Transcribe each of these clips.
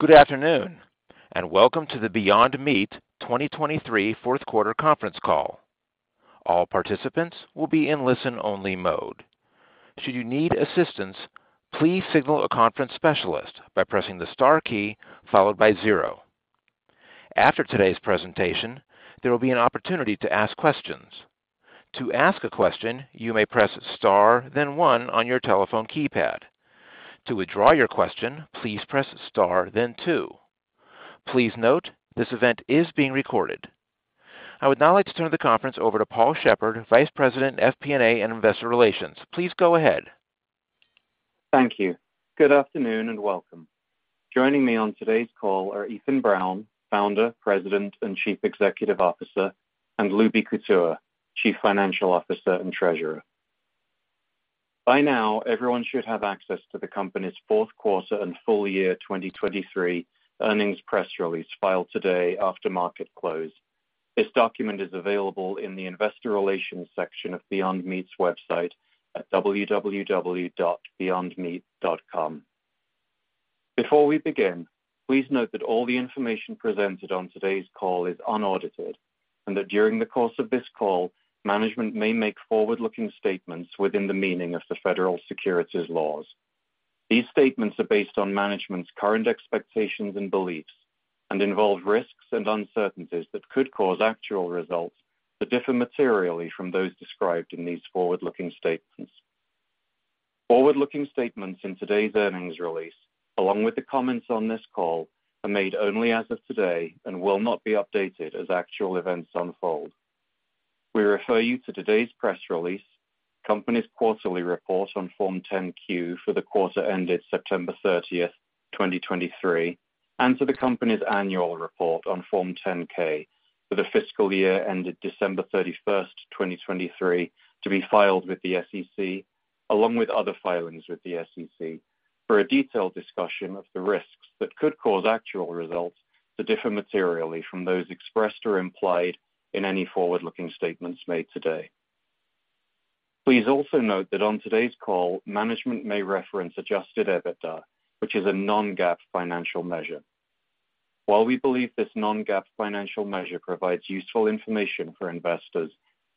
Good afternoon, and welcome to the Beyond Meat 2023 fourth quarter conference call. All participants will be in listen-only mode. Should you need assistance, please signal a conference specialist by pressing the star key followed by zero. After today's presentation, there will be an opportunity to ask questions. To ask a question, you may press star, then one on your telephone keypad. To withdraw your question, please press star, then two. Please note, this event is being recorded. I would now like to turn the conference over to Paul Sheppard, Vice President, FP&A, and Investor Relations. Please go ahead. Thank you. Good afternoon, and welcome. Joining me on today's call are Ethan Brown, Founder, President, and Chief Executive Officer, and Lubi Kutua, Chief Financial Officer and Treasurer. By now, everyone should have access to the company's fourth quarter and full year 2023 earnings press release filed today after market close. This document is available in the investor relations section of Beyond Meat's website at www.beyondmeat.com. Before we begin, please note that all the information presented on today's call is unaudited and that during the course of this call, management may make forward-looking statements within the meaning of the federal securities laws. These statements are based on management's current expectations and beliefs and involve risks and uncertainties that could cause actual results to differ materially from those described in these forward-looking statements. Forward-looking statements in today's earnings release, along with the comments on this call, are made only as of today and will not be updated as actual events unfold. We refer you to today's press release, company's quarterly report on Form 10-Q for the quarter ended September 30th, 2023, and to the company's annual report on Form 10-K for the fiscal year ended December 31st, 2023, to be filed with the SEC, along with other filings with the SEC, for a detailed discussion of the risks that could cause actual results to differ materially from those expressed or implied in any forward-looking statements made today. Please also note that on today's call, management may reference adjusted EBITDA, which is a non-GAAP financial measure. While we believe this non-GAAP financial measure provides useful information for investors,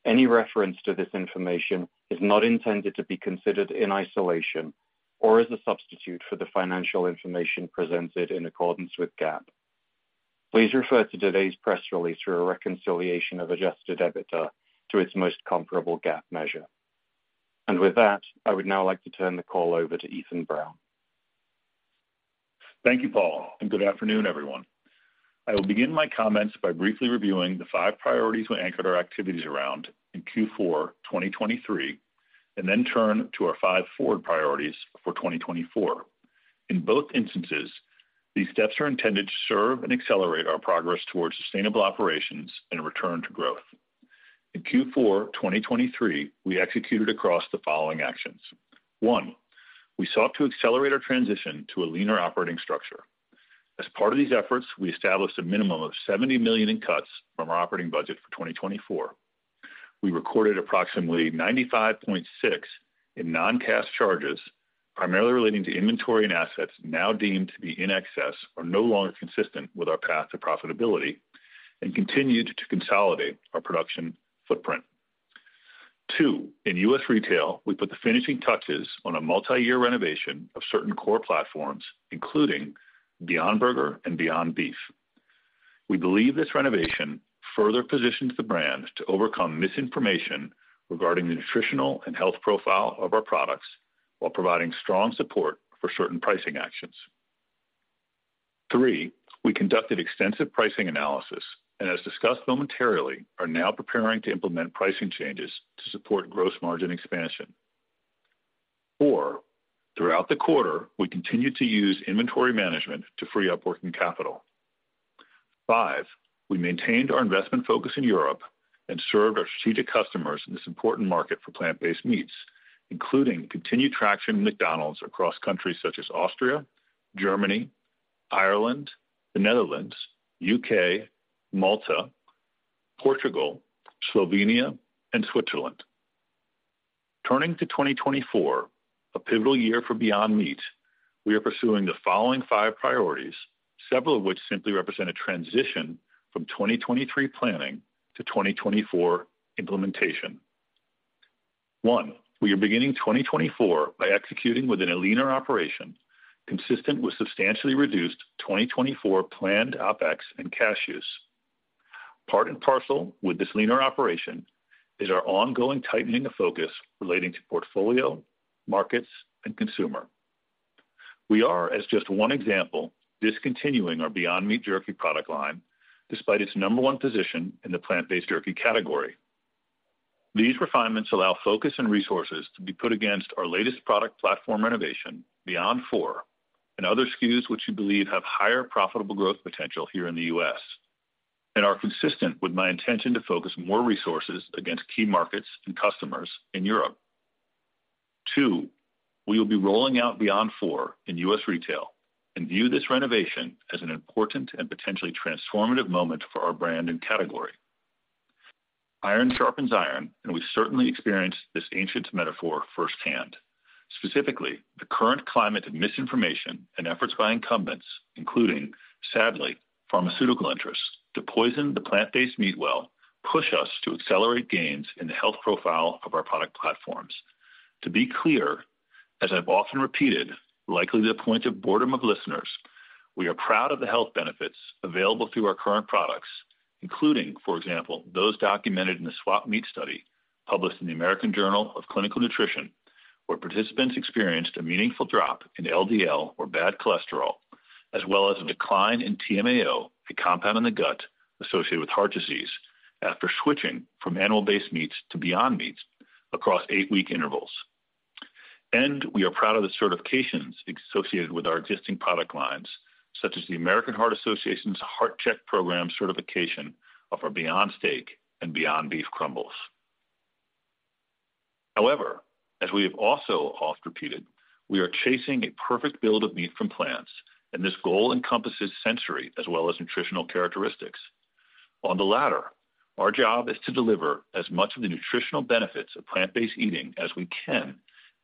any reference to this information is not intended to be considered in isolation or as a substitute for the financial information presented in accordance with GAAP. Please refer to today's press release for a reconciliation of adjusted EBITDA to its most comparable GAAP measure. With that, I would now like to turn the call over to Ethan Brown. Thank you, Paul, and good afternoon, everyone. I will begin my comments by briefly reviewing the 5 priorities we anchored our activities around in Q4 2023 and then turn to our 5 forward priorities for 2024. In both instances, these steps are intended to serve and accelerate our progress towards sustainable operations and return to growth. In Q4 2023, we executed across the following actions. One, we sought to accelerate our transition to a leaner operating structure. As part of these efforts, we established a minimum of $70 million in cuts from our operating budget for 2024. We recorded approximately $95.6 million in non-cash charges, primarily relating to inventory and assets now deemed to be in excess or no longer consistent with our path to profitability and continued to consolidate our production footprint. Two, in U.S. retail, we put the finishing touches on a multi-year renovation of certain core platforms, including Beyond Burger and Beyond Beef. We believe this renovation further positions the brands to overcome misinformation regarding the nutritional and health profile of our products while providing strong support for certain pricing actions. Three, we conducted extensive pricing analysis and, as discussed momentarily, are now preparing to implement pricing changes to support gross margin expansion. Four, throughout the quarter, we continued to use inventory management to free up working capital. Five, we maintained our investment focus in Europe and served our strategic customers in this important market for plant-based meats, including continued traction with McDonald's across countries such as Austria, Germany, Ireland, the Netherlands, U.K., Malta, Portugal, Slovenia, and Switzerland. Turning to 2024, a pivotal year for Beyond Meat, we are pursuing the following five priorities, several of which simply represent a transition from 2023 planning to 2024 implementation. One, we are beginning 2024 by executing within a leaner operation, consistent with substantially reduced 2024 planned OpEx and cash use. Part and parcel with this leaner operation is our ongoing tightening of focus relating to portfolio, markets, and consumer. We are, as just one example, discontinuing our Beyond Meat Jerky product line, despite its number one position in the plant-based jerky category. These refinements allow focus and resources to be put against our latest product platform renovation, Beyond IV, and other SKUs which we believe have higher profitable growth potential here in the U.S. and are consistent with my intention to focus more resources against key markets and customers in Europe. Two, we will be rolling out Beyond IV in U.S. retail and view this renovation as an important and potentially transformative moment for our brand and category. Iron sharpens iron, and we've certainly experienced this ancient metaphor firsthand. Specifically, the current climate of misinformation and efforts by incumbents, including, sadly, pharmaceutical interests, to poison the plant-based meat well, push us to accelerate gains in the health profile of our product platforms. To be clear, as I've often repeated, likely to the point of boredom of listeners, we are proud of the health benefits available through our current products, including, for example, those documented in the SWAP-MEAT StudySWAP Meat Study, published in the American Journal of Clinical Nutrition, where participants experienced a meaningful drop in LDL or bad cholesterol, as well as a decline in TMAO, a compound in the gut associated with heart disease, after switching from animal-based meats to Beyond Meats across eight-week intervals. And we are proud of the certifications associated with our existing product lines, such as the American Heart Association's Heart-Check Program certification of our Beyond Steak and Beyond Beef Crumbles. However, as we have also oft repeated, we are chasing a perfect build of meat from plants, and this goal encompasses sensory as well as nutritional characteristics. On the latter, our job is to deliver as much of the nutritional benefits of plant-based eating as we can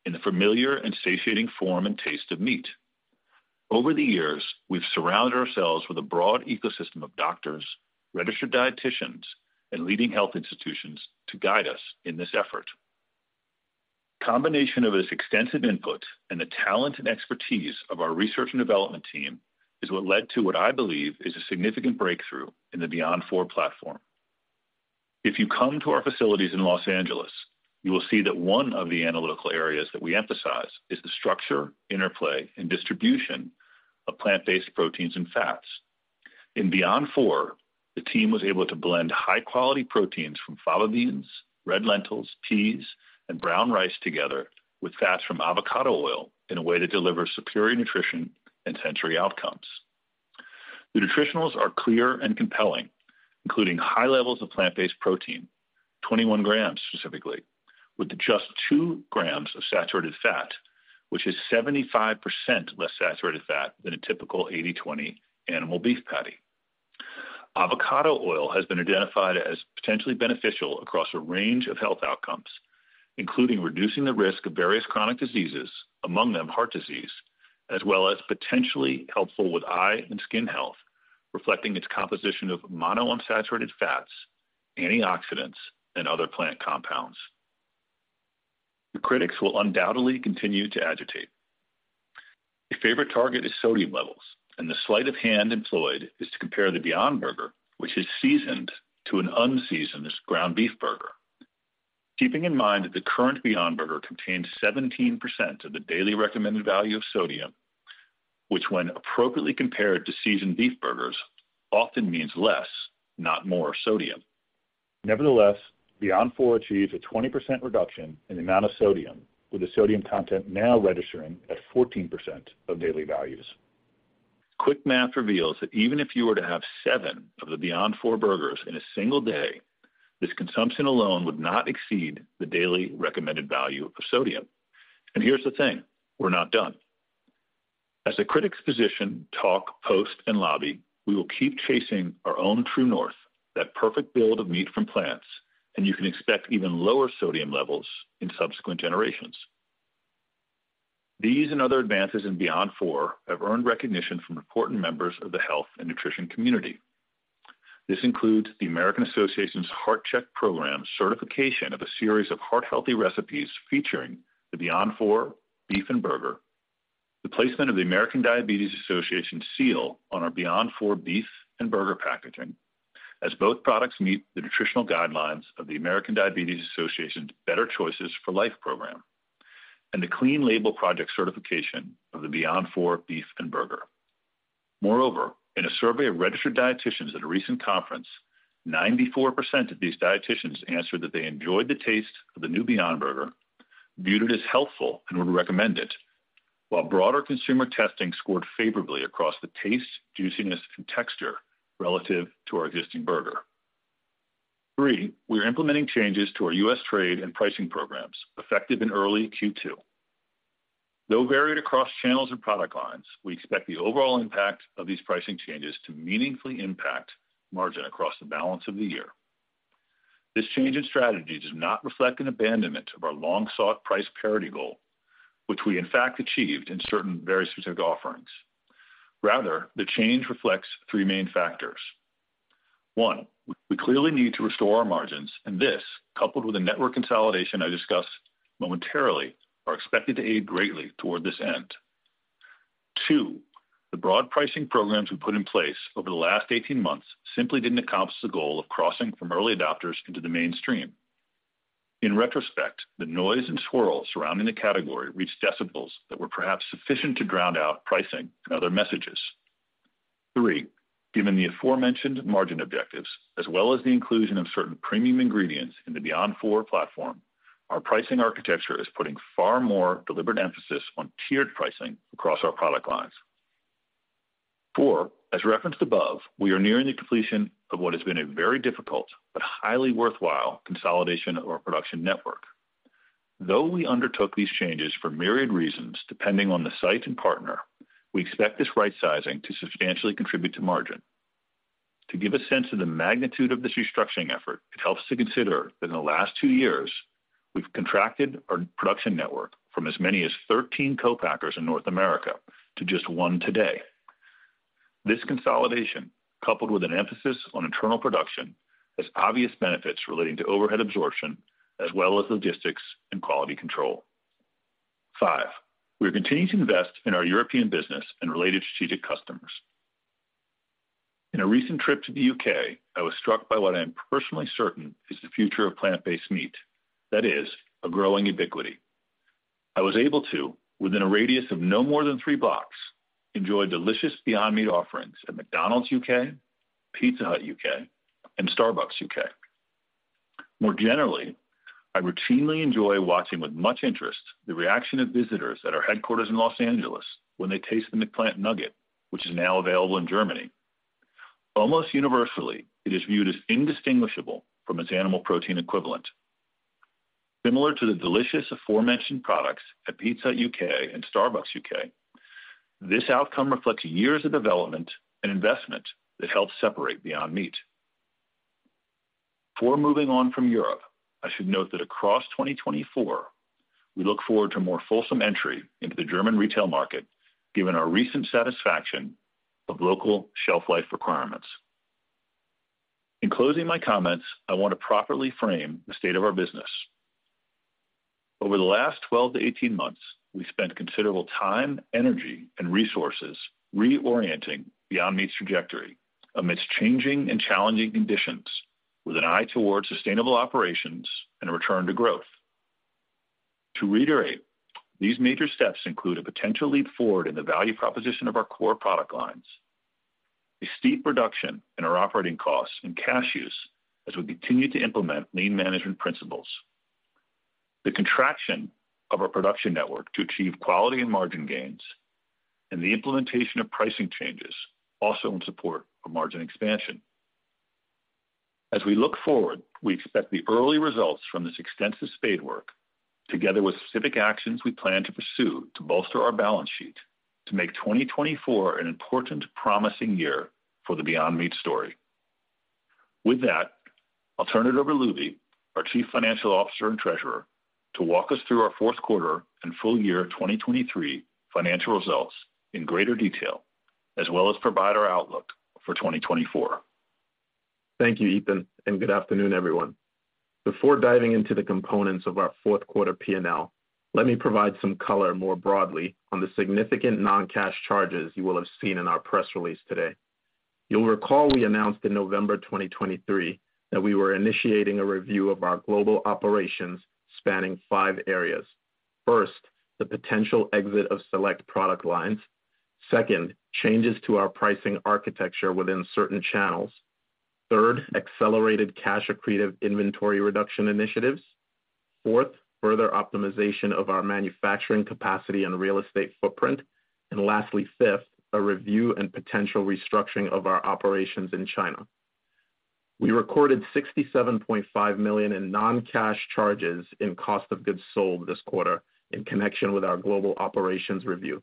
in the familiar and satiating form and taste of meat. Over the years, we've surrounded ourselves with a broad ecosystem of doctors, registered dietitians, and leading health institutions to guide us in this effort. Combination of this extensive input and the talent and expertise of our research and development team is what led to what I believe is a significant breakthrough in the Beyond IV platform. If you come to our facilities in Los Angeles, you will see that one of the analytical areas that we emphasize is the structure, interplay, and distribution of plant-based proteins and fats. In Beyond IV, the team was able to blend high-quality proteins from fava beans, red lentils, peas, and brown rice together, with fats from avocado oil in a way to deliver superior nutrition and sensory outcomes. The nutritionals are clear and compelling, including high levels of plant-based protein, 21 g, specifically, with just 2 g of saturated fat, which is 75% less saturated fat than a typical 80/20 animal beef patty. Avocado oil has been identified as potentially beneficial across a range of health outcomes, including reducing the risk of various chronic diseases, among them heart disease, as well as potentially helpful with eye and skin health, reflecting its composition of monounsaturated fats, antioxidants, and other plant compounds. The critics will undoubtedly continue to agitate. A favorite target is sodium levels, and the sleight of hand employed is to compare the Beyond Burger, which is seasoned, to an unseasoned ground beef burger. Keeping in mind that the current Beyond Burger contains 17% of the daily recommended value of sodium, which, when appropriately compared to seasoned beef burgers, often means less, not more sodium. Nevertheless, Beyond IV achieves a 20% reduction in the amount of sodium, with the sodium content now registering at 14% of daily values. Quick math reveals that even if you were to have seven of the Beyond IV burgers in a single day, this consumption alone would not exceed the daily recommended value of sodium. And here's the thing, we're not done. As the critics position, talk, post, and lobby, we will keep chasing our own true north, that perfect build of meat from plants, and you can expect even lower sodium levels in subsequent generations. These and other advances in Beyond IV have earned recognition from important members of the health and nutrition community. This includes the American Heart Association's Heart-Check Program certification of a series of heart-healthy recipes featuring the Beyond IV Beef and Burger, the placement of the American Diabetes Association seal on our Beyond IV Beef and Burger packaging, as both products meet the nutritional guidelines of the American Diabetes Association's Better Choices for Life program, and the Clean Label Project certification of the Beyond IV Beef and Burger. Moreover, in a survey of registered dietitians at a recent conference, 94% of these dietitians answered that they enjoyed the taste of the new Beyond Burger, viewed it as healthful and would recommend it, while broader consumer testing scored favorably across the taste, juiciness, and texture relative to our existing burger. Three, we are implementing changes to our U.S. trade and pricing programs, effective in early Q2. Though varied across channels and product lines, we expect the overall impact of these pricing changes to meaningfully impact margin across the balance of the year. This change in strategy does not reflect an abandonment of our long-sought price parity goal, which we in fact achieved in certain very specific offerings. Rather, the change reflects three main factors. One, we clearly need to restore our margins, and this, coupled with a network consolidation I discussed momentarily, are expected to aid greatly toward this end. Two, the broad pricing programs we put in place over the last 18 months simply didn't accomplish the goal of crossing from early adopters into the mainstream. In retrospect, the noise and swirl surrounding the category reached decibels that were perhaps sufficient to drown out pricing and other messages. Three, given the aforementioned margin objectives, as well as the inclusion of certain premium ingredients in the Beyond IV platform, our pricing architecture is putting far more deliberate emphasis on tiered pricing across our product lines. Four, as referenced above, we are nearing the completion of what has been a very difficult but highly worthwhile consolidation of our production network. Though we undertook these changes for myriad reasons, depending on the site and partner, we expect this right sizing to substantially contribute to margin. To give a sense of the magnitude of this restructuring effort, it helps to consider that in the last two years, we've contracted our production network from as many as 13 co-packers in North America to just one today. This consolidation, coupled with an emphasis on internal production, has obvious benefits relating to overhead absorption as well as logistics and quality control. Five, we are continuing to invest in our European business and related strategic customers. In a recent trip to the U.K., I was struck by what I am personally certain is the future of plant-based meat. That is, a growing ubiquity. I was able to, within a radius of no more than 3 blocks, enjoy delicious Beyond Meat offerings at McDonald's U.K., Pizza Hut U.K., and Starbucks U.K. More generally, I routinely enjoy watching with much interest, the reaction of visitors at our headquarters in Los Angeles when they taste the McPlant nugget, which is now available in Germany. Almost universally, it is viewed as indistinguishable from its animal protein equivalent. Similar to the delicious aforementioned products at Pizza Hut U.K. and Starbucks U.K., this outcome reflects years of development and investment that helps separate Beyond Meat. Before moving on from Europe, I should note that across 2024, we look forward to a more fulsome entry into the German retail market, given our recent satisfaction of local shelf life requirements. In closing my comments, I want to properly frame the state of our business. Over the last 12-18 months, we spent considerable time, energy, and resources reorienting Beyond Meat's trajectory amidst changing and challenging conditions, with an eye towards sustainable operations and a return to growth. To reiterate, these major steps include a potential leap forward in the value proposition of our core product lines, a steep reduction in our operating costs and cash use as we continue to implement lean management principles, the contraction of our production network to achieve quality and margin gains, and the implementation of pricing changes, also in support of margin expansion. As we look forward, we expect the early results from this extensive spade work, together with specific actions we plan to pursue to bolster our balance sheet, to make 2024 an important, promising year for the Beyond Meat story. With that, I'll turn it over to Lubi, our Chief Financial Officer and Treasurer, to walk us through our fourth quarter and full year 2023 financial results in greater detail, as well as provide our outlook for 2024. Thank you, Ethan, and good afternoon, everyone. Before diving into the components of our fourth quarter P&L, let me provide some color more broadly on the significant non-cash charges you will have seen in our press release today. You'll recall we announced in November 2023 that we were initiating a review of our global operations spanning five areas. First, the potential exit of select product lines. Second, changes to our pricing architecture within certain channels. Third, accelerated cash accretive inventory reduction initiatives. Fourth, further optimization of our manufacturing capacity and real estate footprint. And lastly, fifth, a review and potential restructuring of our operations in China. We recorded $67.5 million in non-cash charges in cost of goods sold this quarter in connection with our global operations review.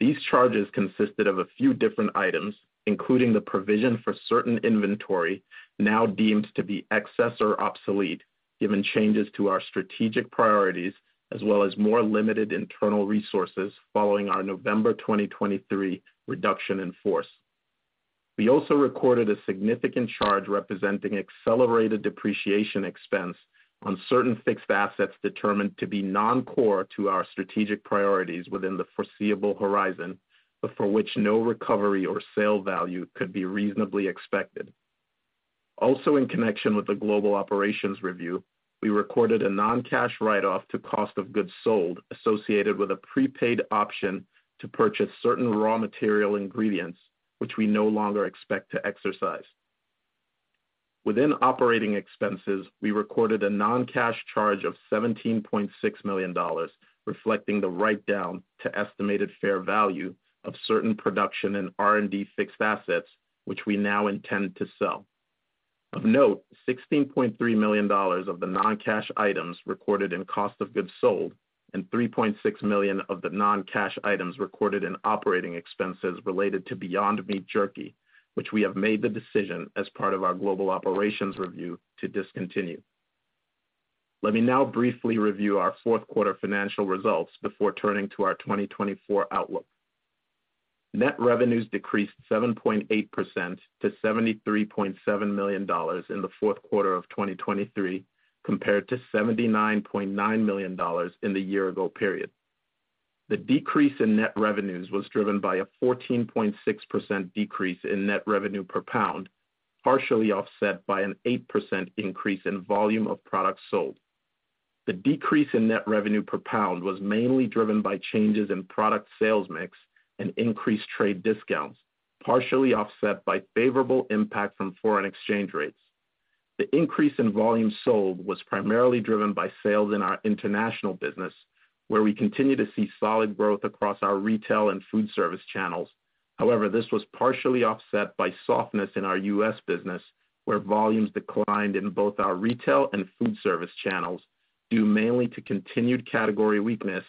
These charges consisted of a few different items, including the provision for certain inventory now deemed to be excess or obsolete, given changes to our strategic priorities, as well as more limited internal resources following our November 2023 reduction in force. We also recorded a significant charge representing accelerated depreciation expense on certain fixed assets determined to be non-core to our strategic priorities within the foreseeable horizon, but for which no recovery or sale value could be reasonably expected. Also, in connection with the global operations review, we recorded a non-cash write-off to cost of goods sold associated with a prepaid option to purchase certain raw material ingredients, which we no longer expect to exercise. Within operating expenses, we recorded a non-cash charge of $17.6 million, reflecting the write down to estimated fair value of certain production and R&D fixed assets, which we now intend to sell. Of note, $16.3 million of the non-cash items recorded in cost of goods sold, and $3.6 million of the non-cash items recorded in operating expenses related to Beyond Meat Jerky, which we have made the decision as part of our global operations review to discontinue. Let me now briefly review our fourth quarter financial results before turning to our 2024 outlook. Net revenues decreased 7.8% to $73.7 million in the fourth quarter of 2023, compared to $79.9 million in the year ago period. The decrease in net revenues was driven by a 14.6% decrease in net revenue per pound, partially offset by an 8% increase in volume of products sold. The decrease in net revenue per pound was mainly driven by changes in product sales mix and increased trade discounts, partially offset by favorable impact from foreign exchange rates. The increase in volume sold was primarily driven by sales in our international business, where we continue to see solid growth across our retail and food service channels. However, this was partially offset by softness in our U.S. business, where volumes declined in both our retail and food service channels, due mainly to continued category weakness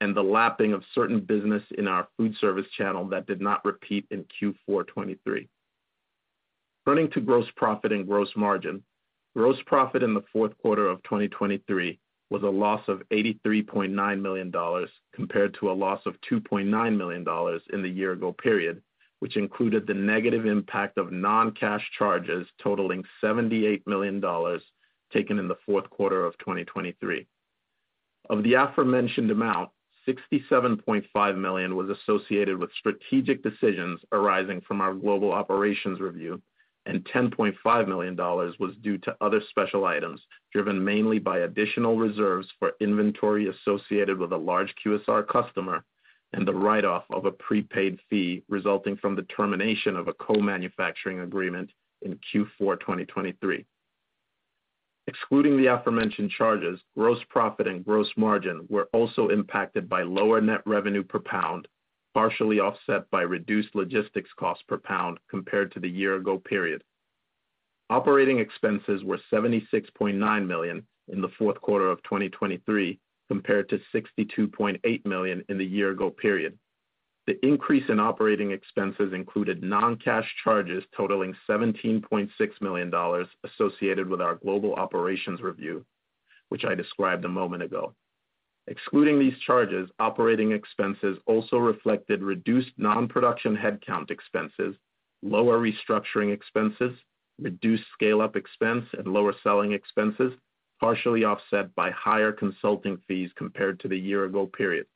and the lapping of certain business in our food service channel that did not repeat in Q4 2023. Turning to gross profit and gross margin. Gross profit in the fourth quarter of 2023 was a loss of $83.9 million, compared to a loss of $2.9 million in the year ago period, which included the negative impact of non-cash charges totaling $78 million, taken in the fourth quarter of 2023. Of the aforementioned amount, $67.5 million was associated with strategic decisions arising from our global operations review, and $10.5 million was due to other special items, driven mainly by additional reserves for inventory associated with a large QSR customer and the write-off of a prepaid fee resulting from the termination of a co-manufacturing agreement in Q4 2023. Excluding the aforementioned charges, gross profit and gross margin were also impacted by lower net revenue per pound, partially offset by reduced logistics costs per pound compared to the year ago period. Operating expenses were $76.9 million in the fourth quarter of 2023, compared to $62.8 million in the year-ago period. The increase in operating expenses included non-cash charges totaling $17.6 million associated with our global operations review, which I described a moment ago. Excluding these charges, operating expenses also reflected reduced non-production headcount expenses, lower restructuring expenses, reduced scale-up expense and lower selling expenses, partially offset by higher consulting fees compared to the year-ago period.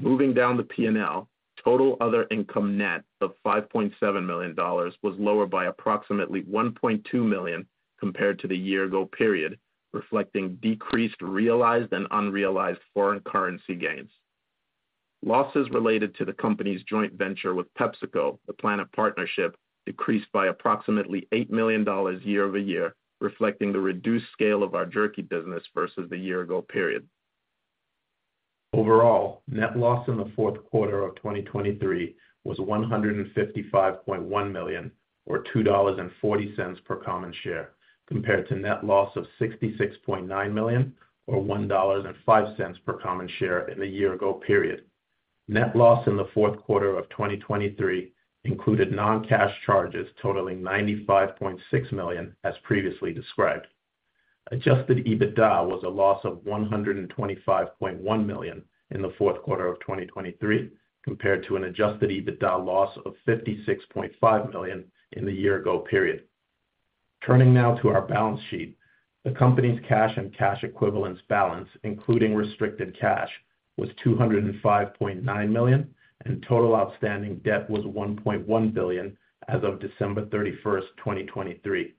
Moving down the P&L, total other income net of $5.7 million was lower by approximately 1.2 million compared to the year-ago period, reflecting decreased, realized, and unrealized foreign currency gains. Losses related to the company's joint venture with PepsiCo, the PLANeT Partnership, decreased by approximately $8 million year-over-year, reflecting the reduced scale of our jerky business versus the year ago period. Overall, net loss in the fourth quarter of 2023 was $155.1 million, or $2.40 per common share, compared to net loss of $66.9 million, or $1.05 per common share in the year ago period. Net loss in the fourth quarter of 2023 included non-cash charges totaling $95.6 million, as previously described. adjusted EBITDA was a loss of $125.1 million in the fourth quarter of 2023, compared to an adjusted EBITDA loss of $56.5 million in the year ago period. Turning now to our balance sheet. The company's cash and cash equivalents balance, including restricted cash, was $205.9 million, and total outstanding debt was $1.1 billion as of December 31st, 2023.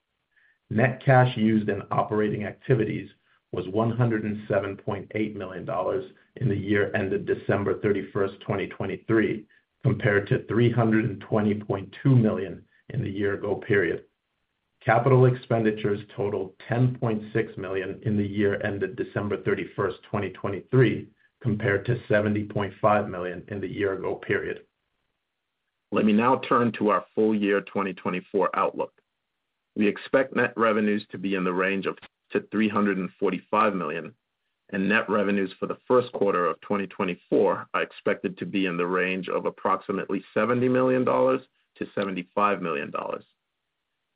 Net cash used in operating activities was $107.8 million in the year ended December 31st, 2023, compared to $320.2 million in the year ago period. Capital expenditures totaled $10.6 million in the year ended December 31st, 2023, compared to $70.5 million in the year ago period. Let me now turn to our full year 2024 outlook. We expect net revenues to be in the range of to $345 million, and net revenues for the first quarter of 2024 are expected to be in the range of approximately $70 million-$75 million.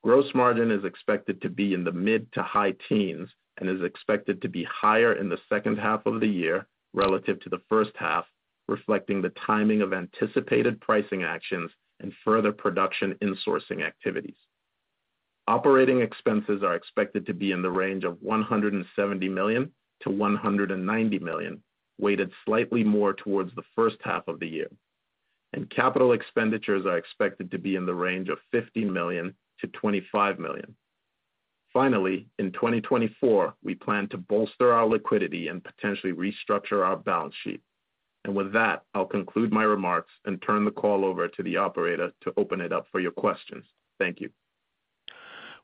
Gross margin is expected to be in the mid- to high-teens and is expected to be higher in the second half of the year relative to the first half, reflecting the timing of anticipated pricing actions and further production insourcing activities. Operating expenses are expected to be in the range of $170 million-$190 million, weighted slightly more towards the first half of the year, and capital expenditures are expected to be in the range of $50 million-$25 million. Finally, in 2024, we plan to bolster our liquidity and potentially restructure our balance sheet. And with that, I'll conclude my remarks and turn the call over to the operator to open it up for your questions. Thank you.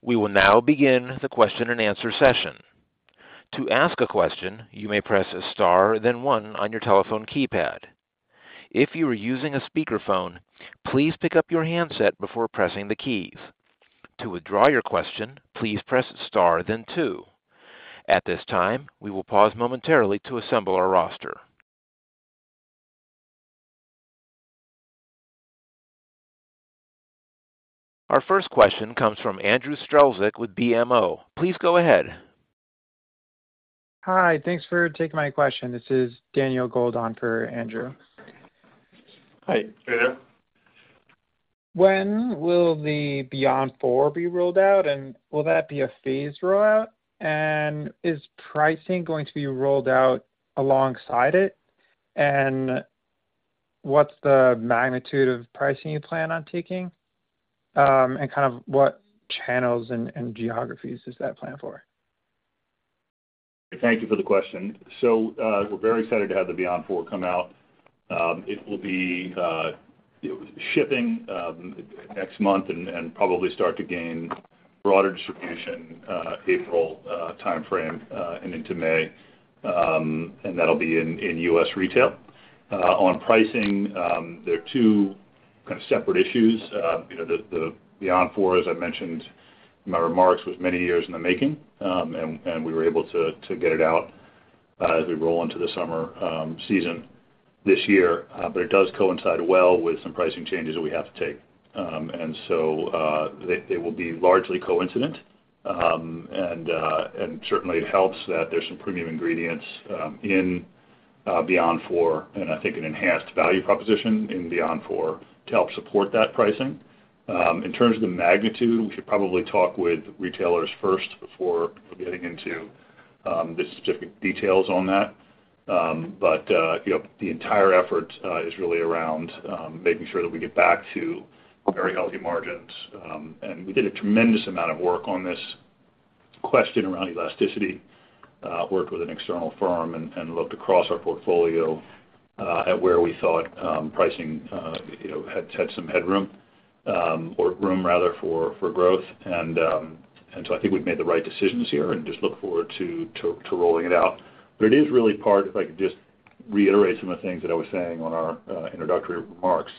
We will now begin the question-and-answer session. To ask a question, you may press star, then one on your telephone keypad. If you are using a speakerphone, please pick up your handset before pressing the keys. To withdraw your question, please press star then two. At this time, we will pause momentarily to assemble our roster. Our first question comes from Andrew Strelzik with BMO. Please go ahead. Hi, thanks for taking my question. This is Daniel Gold on for Andrew. Hi, Daniel. When will the Beyond IV be rolled out, and will that be a phased rollout? And is pricing going to be rolled out alongside it? And what's the magnitude of pricing you plan on taking? And kind of what channels and geographies is that planned for? Thank you for the question. So, we're very excited to have the Beyond IV come out. It will be shipping next month and probably start to gain broader distribution, April timeframe, and into May. And that'll be in U.S. retail. On pricing, there are two kind of separate issues. You know, the Beyond IV, as I mentioned in my remarks, was many years in the making, and we were able to get it out as we roll into the summer season this year. But it does coincide well with some pricing changes that we have to take. And so, they will be largely coincident. And certainly it helps that there's some premium ingredients in the Beyond IV, and I think an enhanced value proposition in the Beyond IV to help support that pricing. In terms of the magnitude, we should probably talk with retailers first before getting into the specific details on that. But, you know, the entire effort is really around making sure that we get back to very healthy margins. And we did a tremendous amount of work on this question around elasticity, worked with an external firm and looked across our portfolio at where we thought pricing, you know, had some headroom, or room rather, for growth. And so I think we've made the right decisions here and just look forward to rolling it out. But it is really part, if I could just reiterate some of the things that I was saying on our introductory remarks,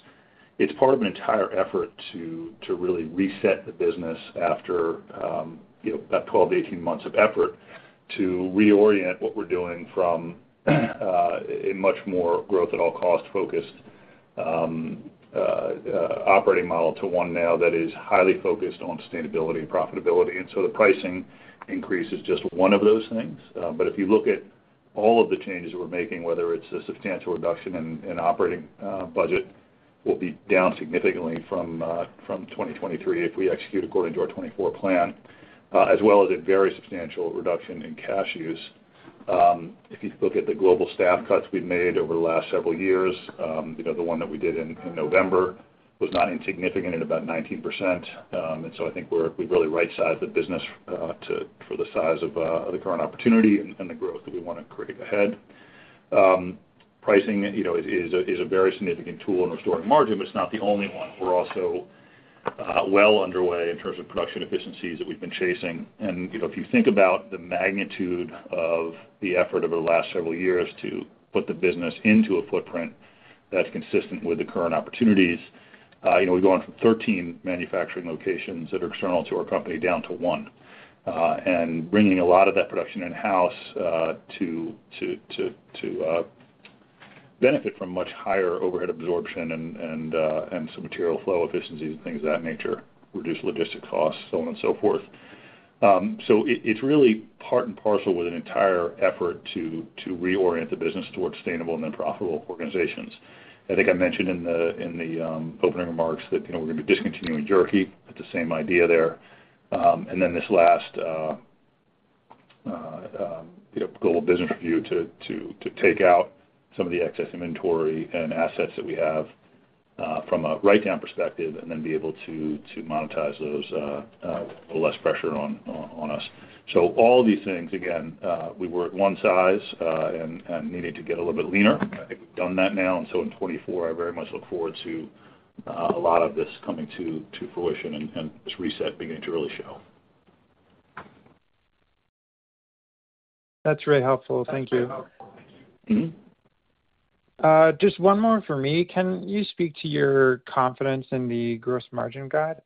it's part of an entire effort to really reset the business after, you know, about 12-18 months of effort, to reorient what we're doing from a much more growth at all cost focused operating model, to one now that is highly focused on sustainability and profitability. And so the pricing increase is just one of those things. But if you look at all of the changes we're making, whether it's a substantial reduction in operating budget, we'll be down significantly from 2023 if we execute according to our 2024 plan, as well as a very substantial reduction in cash use. If you look at the global staff cuts we've made over the last several years, you know, the one that we did in November was not insignificant at about 19%. And so I think we're—we've really right-sized the business, to—for the size of the current opportunity and the growth that we want to create ahead. Pricing, you know, is a very significant tool in restoring margin, but it's not the only one. We're also well underway in terms of production efficiencies that we've been chasing. And, you know, if you think about the magnitude of the effort over the last several years to put the business into a footprint that's consistent with the current opportunities, you know, we're going from 13 manufacturing locations that are external to our company, down to one. And bringing a lot of that production in-house, to benefit from much higher overhead absorption and some material flow efficiencies and things of that nature, reduce logistic costs, so on and so forth. So it's really part and parcel with an entire effort to reorient the business towards sustainable and then profitable organizations. I think I mentioned in the opening remarks that, you know, we're gonna be discontinuing jerky. It's the same idea there. And then this last, you know, global business review to take out some of the excess inventory and assets that we have from a write-down perspective, and then be able to monetize those, less pressure on us. So all these things, again, we were at one size, and needed to get a little bit leaner. I think we've done that now, and so in 2024, I very much look forward to a lot of this coming to fruition and this reset beginning to really show. That's very helpful. Thank you. Just one more from me. Can you speak to your confidence in the gross margin guide?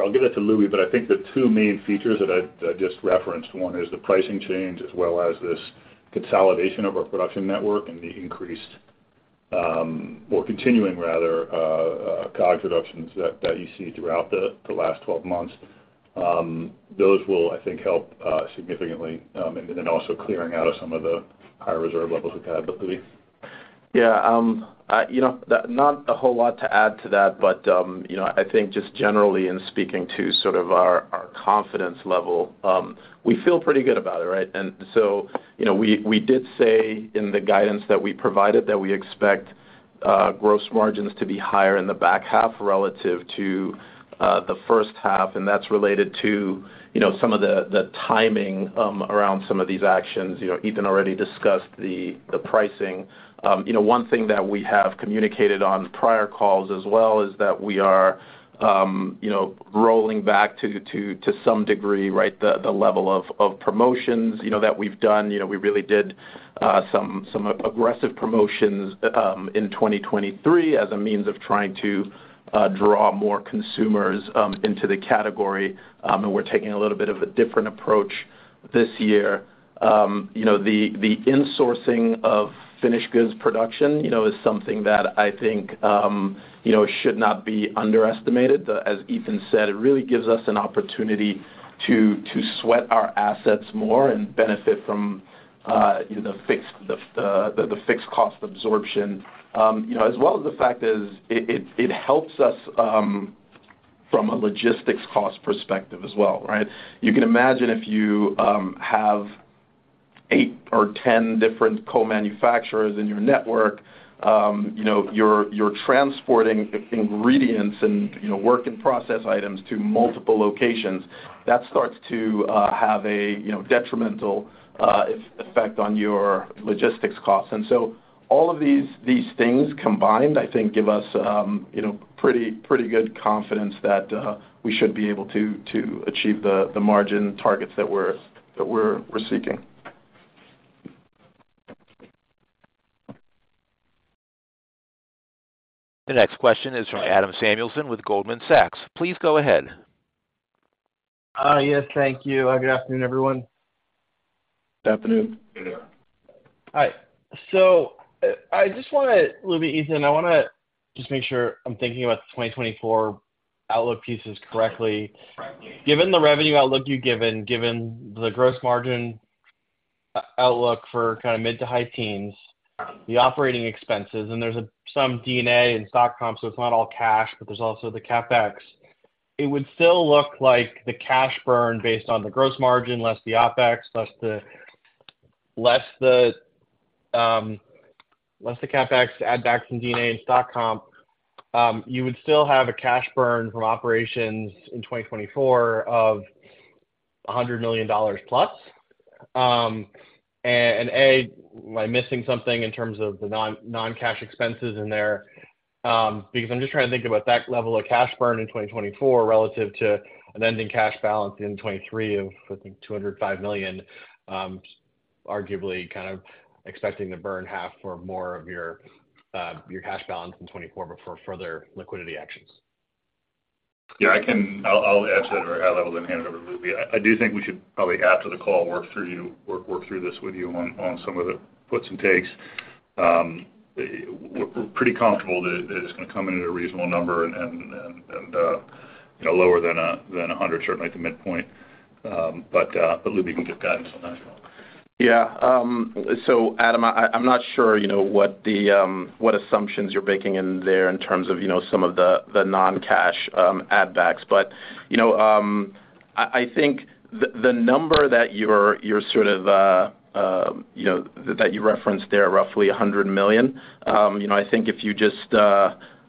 I'll give that to Lubi, but I think the two main features that I just referenced, one is the pricing change, as well as this consolidation of our production network and the increased or continuing rather COGS reductions that you see throughout the last 12 months. Those will, I think, help significantly, and then also clearing out of some of the higher reserve levels we've had. But Lubi? Yeah, you know, not a whole lot to add to that, but, you know, I think just generally in speaking to sort of our confidence level, we feel pretty good about it, right? And so, you know, we did say in the guidance that we provided, that we expect gross margins to be higher in the back half relative to the first half, and that's related to, you know, some of the timing around some of these actions. You know, Ethan already discussed the pricing. You know, one thing that we have communicated on prior calls as well, is that we are, you know, rolling back to some degree, right, the level of promotions, you know, that we've done. You know, we really did some aggressive promotions in 2023 as a means of trying to draw more consumers into the category. We're taking a little bit of a different approach this year. You know, the insourcing of finished goods production, you know, is something that I think, you know, should not be underestimated. As Ethan said, it really gives us an opportunity to sweat our assets more and benefit from the fixed cost absorption. You know, as well as the fact is, it helps us from a logistics cost perspective as well, right? You can imagine if you have 8 or 10 different co-manufacturers in your network, you know, you're, you're transporting ingredients and, you know, work in process items to multiple locations, that starts to have a, you know, detrimental effect on your logistics costs. And so all of these, these things combined, I think, give us, you know, pretty, pretty good confidence that we should be able to achieve the, the margin targets that we're, that we're, we're seeking. The next question is from Adam Samuelson with Goldman Sachs. Please go ahead. Yes, thank you. Good afternoon, everyone. Good afternoon. Good afternoon. Hi. So, I just wanna—Lubi, Ethan, I wanna just make sure I'm thinking about the 2024 outlook pieces correctly. Given the revenue outlook you've given, given the gross margin outlook for kind of mid to high teens, the operating expenses, and there's some non-cash in stock comp, so it's not all cash, but there's also the CapEx. It would still look like the cash burn based on the gross margin, less the OpEx, less the CapEx, add back some non-cash in stock comp, you would still have a cash burn from operations in 2024 of $100 million+. And am I missing something in terms of the non-cash expenses in there? Because I'm just trying to think about that level of cash burn in 2024 relative to an ending cash balance in 2023 of, I think, $205 million, arguably kind of expecting to burn half or more of your cash balance in 2024 before further liquidity actions. Yeah, I can. I'll answer that at a high level, then hand it over to Lubi. I do think we should probably, after the call, work through this with you on some of the puts and takes. We're pretty comfortable that it's gonna come in at a reasonable number and, you know, lower than 100, certainly at the midpoint. But Lubi can get that as well. Yeah. So Adam, I, I'm not sure, you know, what the, what assumptions you're baking in there in terms of, you know, some of the, the non-cash, add backs. But, you know, I, I think the, the number that you're, you're sort of, you know, that you referenced there, roughly $100 million, you know, I think if you just,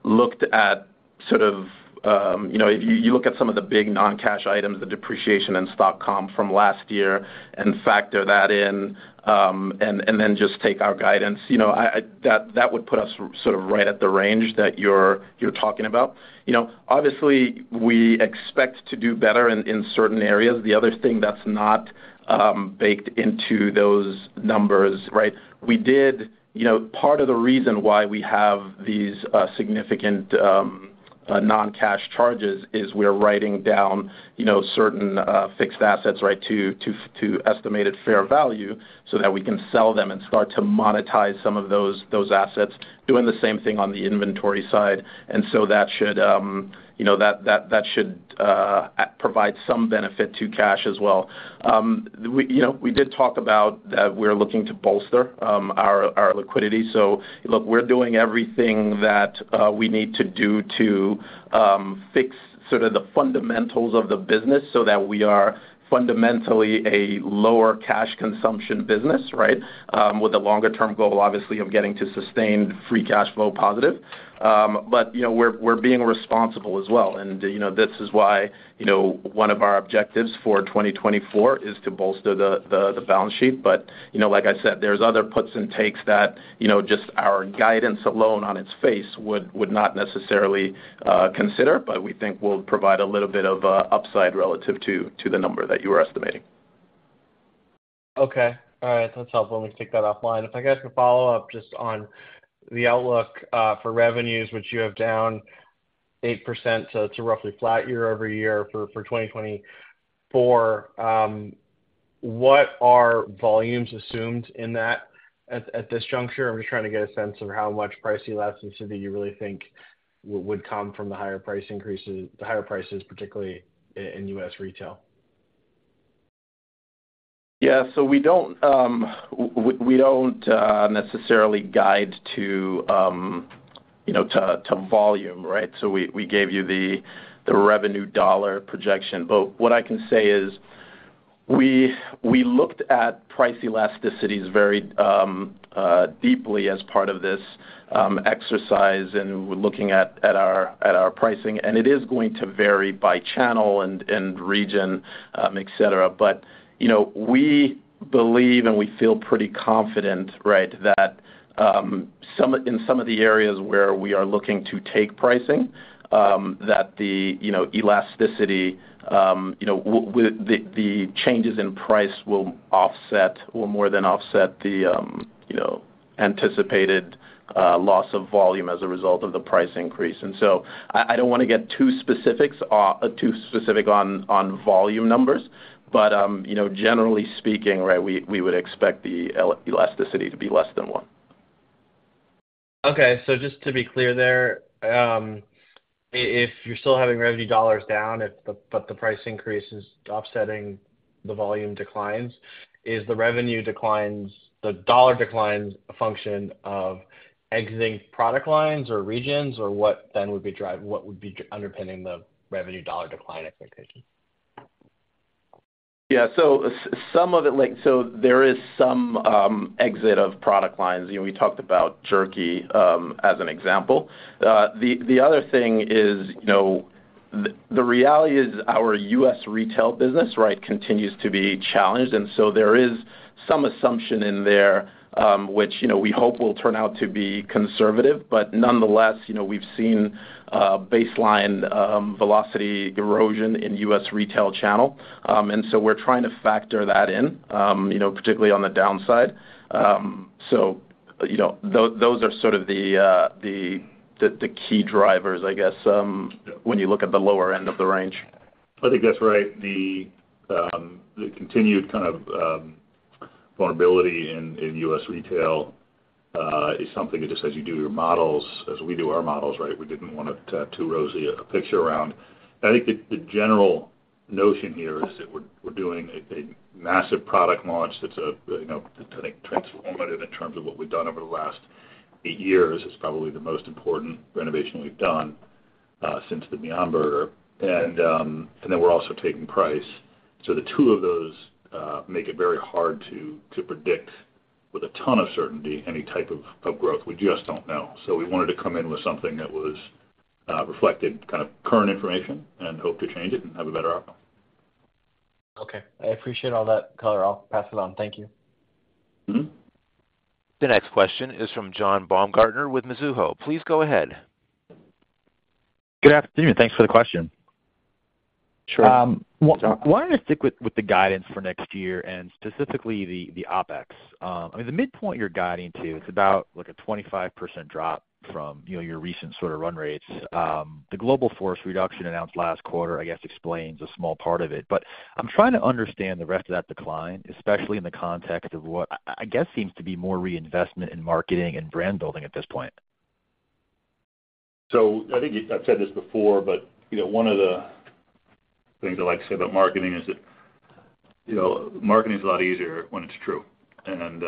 looked at sort of, you know, if you, you look at some of the big non-cash items, the depreciation and stock comp from last year and factor that in, and, and then just take our guidance, you know, I, I... That, that would put us sort of right at the range that you're, you're talking about. You know, obviously, we expect to do better in, in certain areas. The other thing that's not, baked into those numbers, right? We did you know, part of the reason why we have these significant non-cash charges is we're writing down, you know, certain fixed assets, right, to estimated fair value so that we can sell them and start to monetize some of those assets. Doing the same thing on the inventory side, and so that should, you know, provide some benefit to cash as well. We you know we did talk about we're looking to bolster our liquidity. So look, we're doing everything that we need to do to fix sort of the fundamentals of the business so that we are fundamentally a lower cash consumption business, right? With a longer term goal, obviously, of getting to sustained free cash flow positive. But, you know, we're being responsible as well. And, you know, this is why, you know, one of our objectives for 2024 is to bolster the balance sheet. But, you know, like I said, there's other puts and takes that, you know, just our guidance alone on its face would not necessarily consider, but we think will provide a little bit of upside relative to the number that you were estimating. Okay. All right, that's helpful. Let me take that offline. If I could ask a follow-up just on the outlook for revenues, which you have down 8%, so it's a roughly flat year-over-year for 2024. What are volumes assumed in that at this juncture? I'm just trying to get a sense of how much price elasticity you really think would come from the higher price increases, the higher prices, particularly in U.S. retail. Yeah. So we don't necessarily guide to, you know, to volume, right? So we gave you the revenue dollar projection. But what I can say is, we looked at price elasticities very deeply as part of this exercise, and we're looking at our pricing, and it is going to vary by channel and region, et cetera. But, you know, we believe and we feel pretty confident, right, that some, in some of the areas where we are looking to take pricing, that the, you know, elasticity, you know, with the changes in price will offset or more than offset the, you know, anticipated loss of volume as a result of the price increase. So I don't wanna get too specific on volume numbers, but you know, generally speaking, right, we would expect the elasticity to be less than one. Okay, so just to be clear there, if you're still having revenue dollars down, but the price increase is offsetting the volume declines, is the revenue declines, the dollar declines, a function of exiting product lines or regions? Or what then would be driving—what would be underpinning the revenue dollar decline expectation? Yeah, so some of it, like, so there is some exit of product lines. You know, we talked about jerky as an example. The other thing is, you know, the reality is our U.S. retail business, right, continues to be challenged, and so there is some assumption in there, which, you know, we hope will turn out to be conservative. But nonetheless, you know, we've seen baseline velocity erosion in U.S. retail channel. And so we're trying to factor that in, you know, particularly on the downside. So, you know, those are sort of the key drivers, I guess, when you look at the lower end of the range. I think that's right. The continued kind of vulnerability in U.S. retail is something that just as you do your models, as we do our models, right, we didn't want it too rosy a picture around. I think the general notion here is that we're doing a massive product launch that's you know, I think transformative in terms of what we've done over the last eight years. It's probably the most important renovation we've done since the Beyond Burger. And then we're also taking price. So the two of those make it very hard to predict with a ton of certainty any type of growth. We just don't know. So we wanted to come in with something that was reflected kind of current information and hope to change it and have a better outcome. Okay. I appreciate all that color. I'll pass it on. Thank you. The next question is from John Baumgartner with Mizuho. Please go ahead. Good afternoon. Thanks for the question. Sure. Wanting to stick with the guidance for next year and specifically the OpEx. I mean, the midpoint you're guiding to, it's about like a 25% drop from, you know, your recent sort of run rates. The global force reduction announced last quarter, I guess, explains a small part of it. But I'm trying to understand the rest of that decline, especially in the context of what I guess seems to be more reinvestment in marketing and brand building at this point. So I think I've said this before, but, you know, one of the things I like to say about marketing is that, you know, marketing is a lot easier when it's true. And,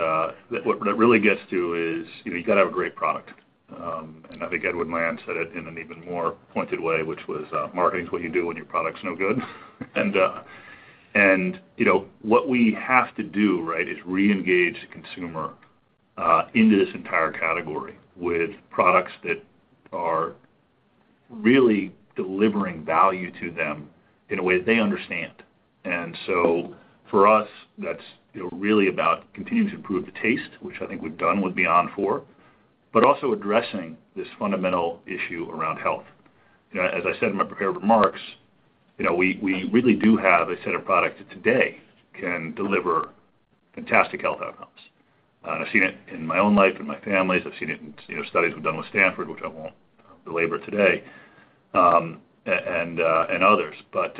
what that really gets to is, you know, you got to have a great product. And I think Edwin Land said it in an even more pointed way, which was, "Marketing is what you do when your product's no good." And you know, what we have to do, right, is reengage the consumer, into this entire category with products that are really delivering value to them in a way that they understand. And so for us, that's, you know, really about continuing to improve the taste, which I think we've done with Beyond IV, but also addressing this fundamental issue around health. You know, as I said in my prepared remarks, you know, we, we really do have a set of products that today can deliver fantastic health outcomes. I've seen it in my own life, in my family's. I've seen it in, you know, studies we've done with Stanford, which I won't belabor today, and others. But,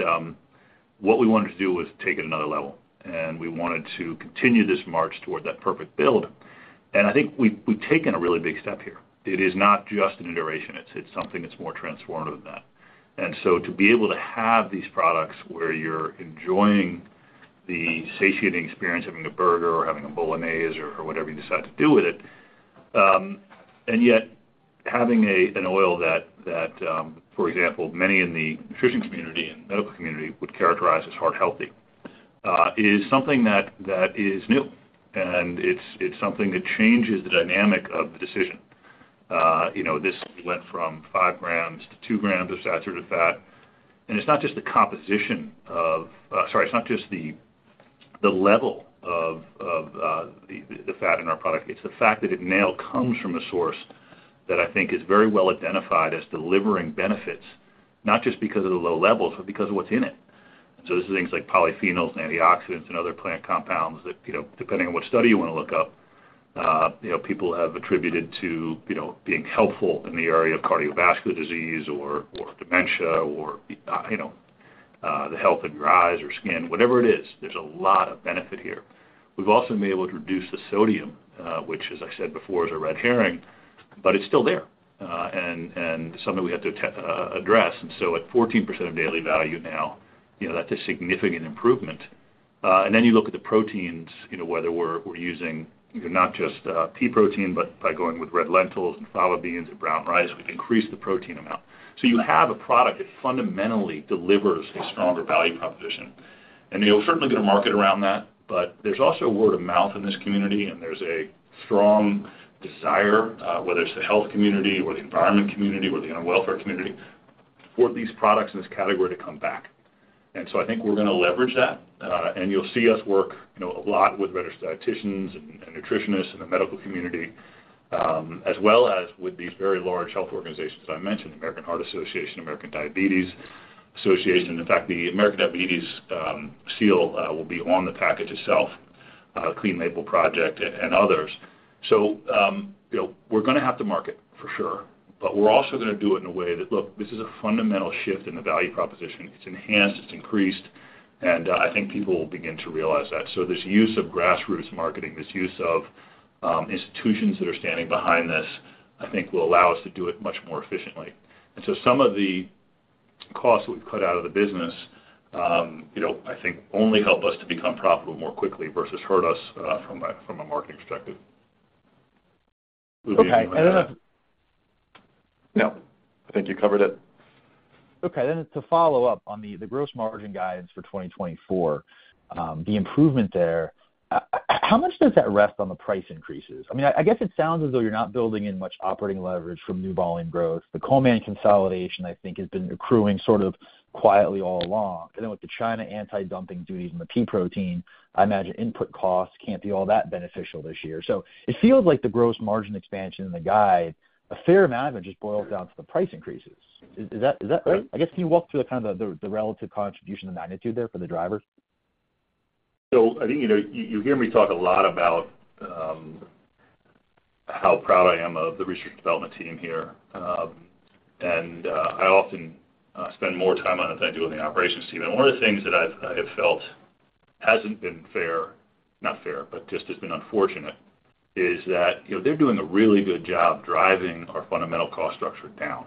what we wanted to do was take it another level, and we wanted to continue this march toward that perfect build. And I think we've, we've taken a really big step here. It is not just an iteration, it's, it's something that's more transformative than that. And so to be able to have these products where you're enjoying the satiating experience of having a burger or having a bolognese or whatever you decide to do with it, and yet having an oil that, for example, many in the nutrition community and medical community would characterize as heart healthy, is something that is new. And it's something that changes the dynamic of the decision. You know, this went from 5 g to 2 g of saturated fat. And it's not just the composition of. Sorry, it's not just the level of the fat in our product, it's the fact that it now comes from a source that I think is very well identified as delivering benefits, not just because of the low levels, but because of what's in it. So this is things like polyphenols, antioxidants, and other plant compounds that, you know, depending on what study you want to look up, you know, people have attributed to, you know, being helpful in the area of cardiovascular disease or dementia or you know the health of your eyes or skin, whatever it is, there's a lot of benefit here. We've also been able to reduce the sodium, which, as I said before, is a red herring, but it's still there, and something we have to address. And so at 14% of daily value now, you know, that's a significant improvement. And then you look at the proteins, you know, whether we're using not just pea protein, but by going with red lentils and fava beans and brown rice, we've increased the protein amount. So you have a product that fundamentally delivers a stronger value proposition, and you'll certainly get a market around that, but there's also word of mouth in this community, and there's a strong desire, whether it's the health community or the environment community or the animal welfare community, for these products in this category to come back. And so I think we're going to leverage that, and you'll see us work, you know, a lot with registered dieticians and nutritionists in the medical community, as well as with these very large health organizations. I mentioned American Heart Association, American Diabetes Association. In fact, the American Diabetes seal will be on the package itself, Clean Label Project and others. So, you know, we're going to have to market for sure, but we're also going to do it in a way that, look, this is a fundamental shift in the value proposition. It's enhanced, it's increased, and I think people will begin to realize that. So this use of grassroots marketing, this use of institutions that are standing behind this, I think will allow us to do it much more efficiently. And so some of the costs we've cut out of the business, you know, I think only help us to become profitable more quickly versus hurt us from a marketing perspective. Okay, I don't know if- No, I think you covered it. Okay, then to follow up on the gross margin guidance for 2024, the improvement there, how much does that rest on the price increases? I mean, I guess it sounds as though you're not building in much operating leverage from new volume growth. The Coleman consolidation, I think, has been accruing sort of quietly all along. And then with the China anti-dumping duties and the pea protein, I imagine input costs can't be all that beneficial this year. So it feels like the gross margin expansion in the guide, a fair amount of it just boils down to the price increases. Is that right? I guess, can you walk through kind of the relative contribution and magnitude there for the drivers? So I think, you know, you, you hear me talk a lot about, how proud I am of the research and development team here. And, I often, spend more time on it than I do on the operations team. And one of the things that I have felt hasn't been fair, not fair, but just has been unfortunate, is that, you know, they're doing a really good job driving our fundamental cost structure down,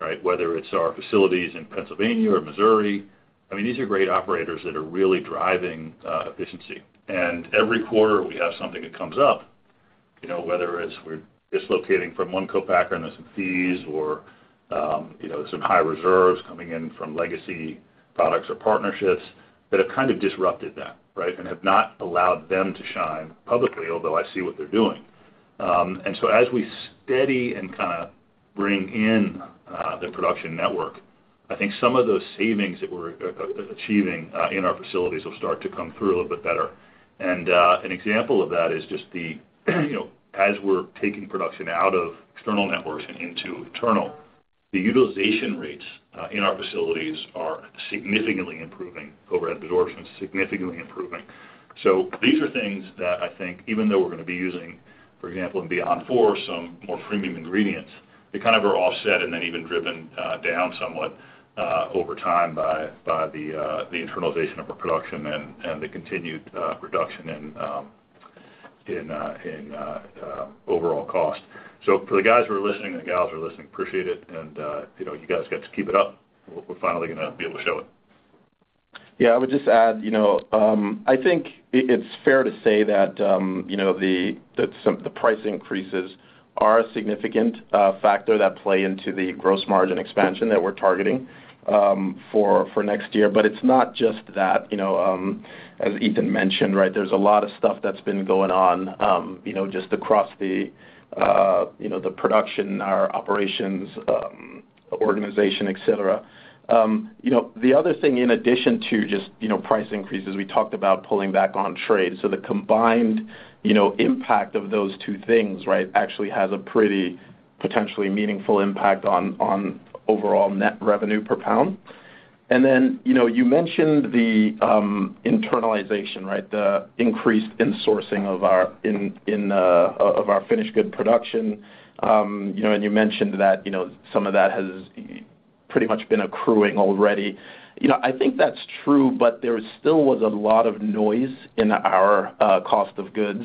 right? Whether it's our facilities in Pennsylvania or Missouri, I mean, these are great operators that are really driving, efficiency. And every quarter we have something that comes up, you know, whether it's we're dislocating from one co-packer and there's some fees or, you know, some high reserves coming in from legacy products or partnerships that have kind of disrupted that, right, and have not allowed them to shine publicly, although I see what they're doing. And so as we steady and kind of bring in the production network, I think some of those savings that we're achieving in our facilities will start to come through a little bit better. And an example of that is just the, you know, as we're taking production out of external networks and into internal, the utilization rates in our facilities are significantly improving. Overhead absorption is significantly improving. So these are things that I think even though we're gonna be using, for example, in Beyond IV, some more premium ingredients, they kind of are offset and then even driven down somewhat over time by the internalization of our production and the continued reduction in overall cost. So for the guys who are listening and the gals who are listening, appreciate it, and you know, you guys get to keep it up. We're finally gonna be able to show it. Yeah, I would just add, you know, I think it's fair to say that, you know, the price increases are a significant factor that play into the gross margin expansion that we're targeting, for next year. But it's not just that, you know, as Ethan mentioned, right, there's a lot of stuff that's been going on, you know, just across the, you know, the production, our operations, organization, et cetera. You know, the other thing in addition to just, you know, price increases, we talked about pulling back on trade. So the combined, you know, impact of those two things, right, actually has a pretty potentially meaningful impact on overall net revenue per pound. And then, you know, you mentioned the internalization, right? The increased insourcing of our finished good production. You know, and you mentioned that, you know, some of that has pretty much been accruing already. You know, I think that's true, but there still was a lot of noise in our cost of goods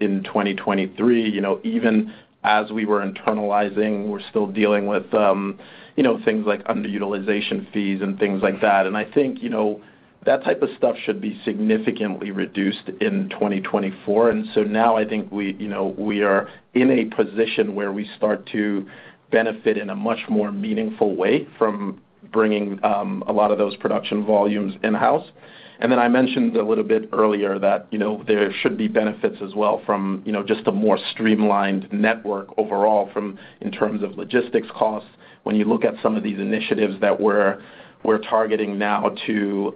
in 2023. You know, even as we were internalizing, we're still dealing with, you know, things like underutilization fees and things like that. And I think, you know, that type of stuff should be significantly reduced in 2024. And so now I think we, you know, we are in a position where we start to benefit in a much more meaningful way from bringing a lot of those production volumes in-house. Then I mentioned a little bit earlier that, you know, there should be benefits as well from, you know, just a more streamlined network overall, in terms of logistics costs. When you look at some of these initiatives that we're targeting now to,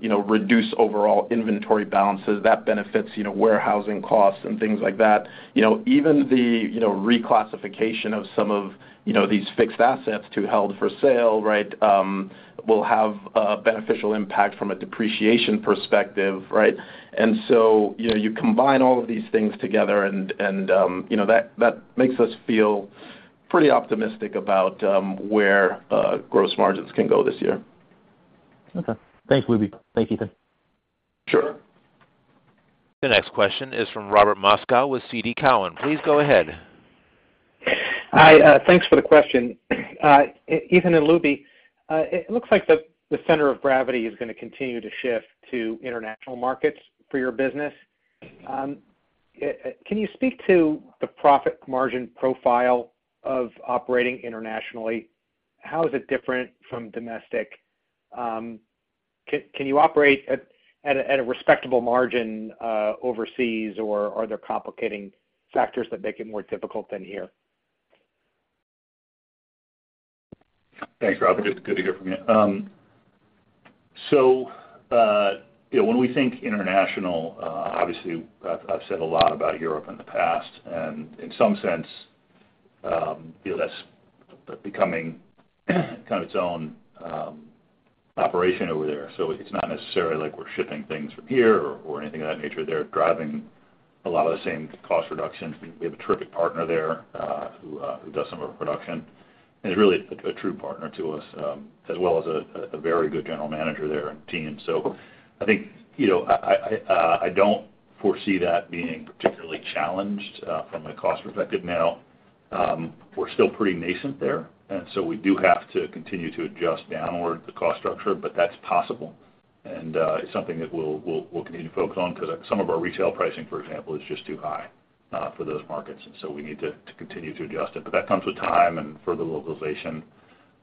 you know, reduce overall inventory balances, that benefits, you know, warehousing costs and things like that. You know, even the, you know, reclassification of some of, you know, these fixed assets to held for sale, right, will have a beneficial impact from a depreciation perspective, right? And so, you know, you combine all of these things together and, you know, that makes us feel pretty optimistic about, where gross margins can go this year. Okay. Thanks, Lubi. Thanks, Ethan. Sure. The next question is from Robert Moskow with TD Cowen. Please go ahead. Hi, thanks for the question. Ethan and Lubi, it looks like the center of gravity is gonna continue to shift to international markets for your business. Can you speak to the profit margin profile of operating internationally? How is it different from domestic? Can you operate at a respectable margin overseas, or are there complicating factors that make it more difficult than here? Thanks, Robert. It's good to hear from you. So, you know, when we think international, obviously, I've said a lot about Europe in the past, and in some sense, you know, that's becoming kind of its own operation over there. So it's not necessarily like we're shipping things from here or anything of that nature. They're driving a lot of the same cost reductions. We have a terrific partner there, who does some of our production, and is really a very good general manager there and team. So I think, you know, I don't foresee that being particularly challenged from a cost perspective. We're still pretty nascent there, and so we do have to continue to adjust downward the cost structure, but that's possible, and it's something that we'll continue to focus on, because some of our retail pricing, for example, is just too high for those markets, and so we need to continue to adjust it. But that comes with time and further localization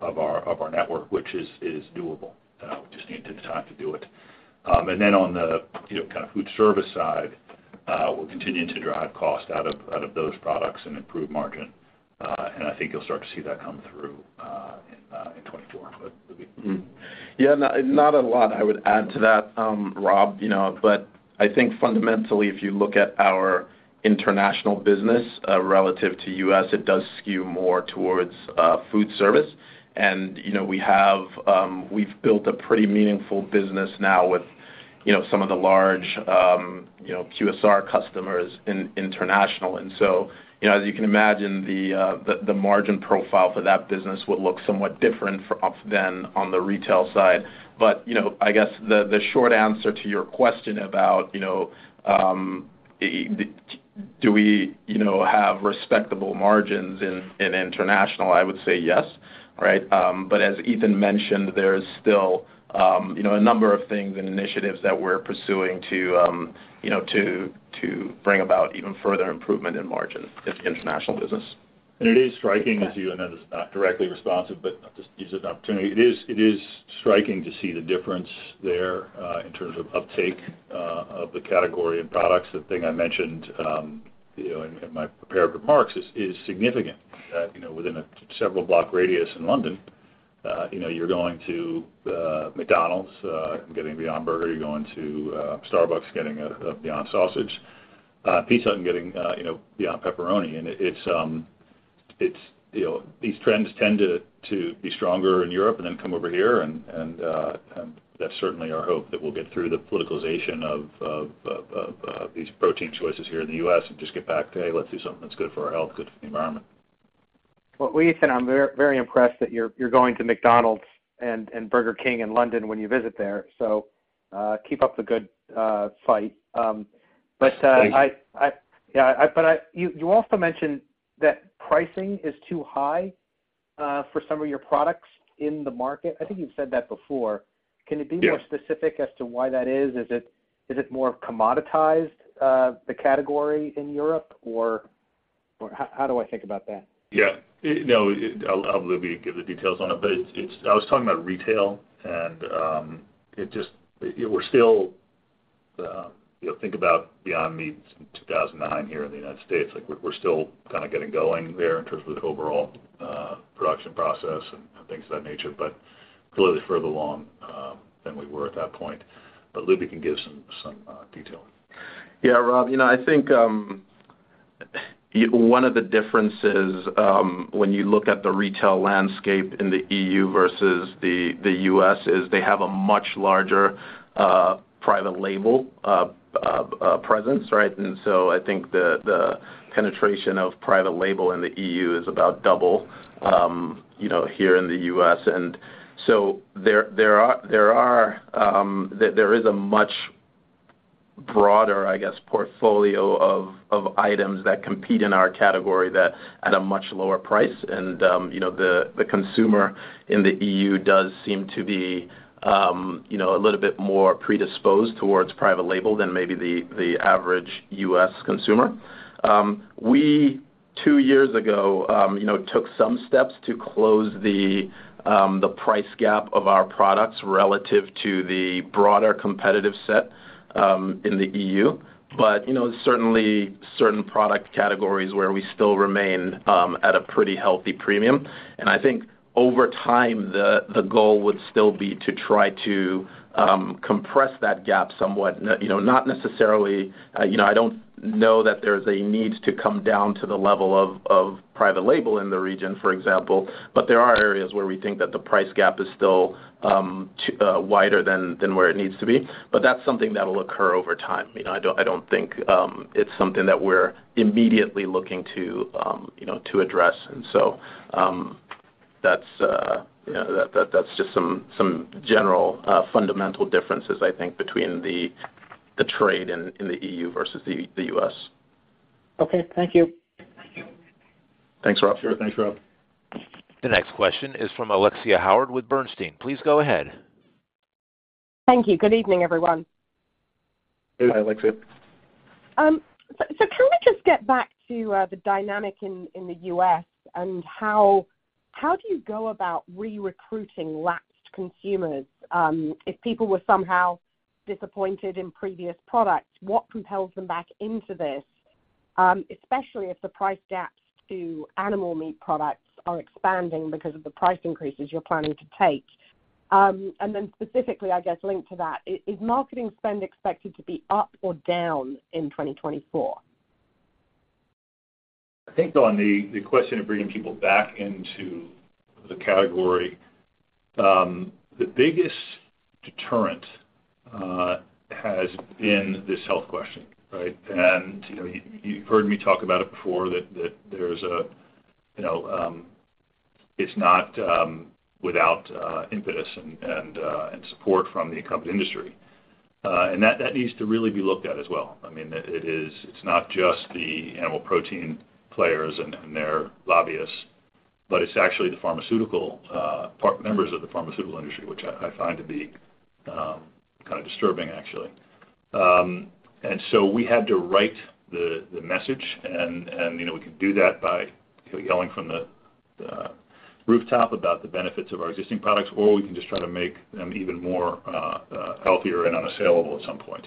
of our network, which is doable. We just need to take the time to do it. And then on the, you know, kind of food service side, we'll continue to drive cost out of those products and improve margin. And I think you'll start to see that come through in 2024. But Lubi? Yeah, not, not a lot I would add to that, Rob, you know, but I think fundamentally, if you look at our international business, relative to U.S., it does skew more towards food service. And, you know, we have, we've built a pretty meaningful business now with, you know, some of the large, QSR customers in international. And so, you know, as you can imagine, the, the margin profile for that business would look somewhat different for- than on the retail side. But, you know, I guess the, the short answer to your question about, you know, the- do we, you know, have respectable margins in, in international? I would say yes, right? But as Ethan mentioned, there's still, you know, a number of things and initiatives that we're pursuing to, you know, to bring about even further improvement in margin in the international business. And it is striking to see, and that is not directly responsive, but just use it as an opportunity. It is, it is striking to see the difference there, in terms of uptake, of the category and products. The thing I mentioned, you know, in my prepared remarks is, is significant. You know, within a several block radius in London, you know, you're going to McDonald's and getting Beyond Burger, you're going to Starbucks, getting a Beyond Sausage, Pizza Hut and getting, you know, Beyond Pepperoni. It's, you know, these trends tend to be stronger in Europe and then come over here, and that's certainly our hope that we'll get through the politicization of these protein choices here in the U.S. and just get back to, "Hey, let's do something that's good for our health, good for the environment. Well, Ethan, I'm very, very impressed that you're, you're going to McDonald's and, and Burger King in London when you visit there, so keep up the good fight. But- Thanks. Yeah, but you also mentioned that pricing is too high for some of your products in the market. I think you've said that before. Yeah. Can you be more specific as to why that is? Is it, is it more commoditized, the category in Europe, or, or how, how do I think about that? Yeah. No, it. I'll have Lubi give the details on it. But it's, it's, I was talking about retail, and, it just, we're still, you know, thinking about Beyond Meat since 2009 here in the United States. Like, we're, we're still kind of getting going there in terms of the overall, production process and, and things of that nature, but clearly further along, than we were at that point. But Lubi can give some, some, detail. Yeah, Rob, you know, I think one of the differences when you look at the retail landscape in the EU versus the US is they have a much larger private label presence, right? And so I think the penetration of private label in the EU is about double, you know, here in the U.S. And so there is a much broader, I guess, portfolio of items that compete in our category that at a much lower price. And you know, the consumer in the EU does seem to be, you know, a little bit more predisposed towards private label than maybe the average U.S consumer. We, two years ago, you know, took some steps to close the price gap of our products relative to the broader competitive set in the EU. But, you know, certainly, certain product categories where we still remain at a pretty healthy premium. And I think over time, the goal would still be to try to compress that gap somewhat. You know, not necessarily, you know, I don't know that there's a need to come down to the level of private label in the region, for example, but there are areas where we think that the price gap is still wider than where it needs to be. But that's something that will occur over time. You know, I don't think it's something that we're immediately looking to, you know, to address. And so, that's, you know, that's just some general fundamental differences, I think, between the trade in the EU versus the U.S. Okay, thank you. Thank you. Thanks, Rob. Sure, thanks, Rob. The next question is from Alexia Howard with Bernstein. Please go ahead. Thank you. Good evening, everyone. Hi, Alexia. So, can we just get back to the dynamic in the U.S., and how do you go about re-recruiting lapsed consumers? If people were somehow disappointed in previous products, what propels them back into this, especially if the price gaps to animal meat products are expanding because of the price increases you're planning to take? And then specifically, I guess, linked to that, is marketing spend expected to be up or down in 2024? I think on the question of bringing people back into the category, the biggest deterrent has been this health question, right? And, you know, you've heard me talk about it before, that there's a, you know, it's not without impetus and support from the incumbent industry. And that needs to really be looked at as well. I mean, it is. It's not just the animal protein players and their lobbyists, but it's actually the members of the pharmaceutical industry, which I find to be kind of disturbing, actually. And so we had to write the message and, you know, we can do that by yelling from the rooftop about the benefits of our existing products, or we can just try to make them even more healthier and unassailable at some point.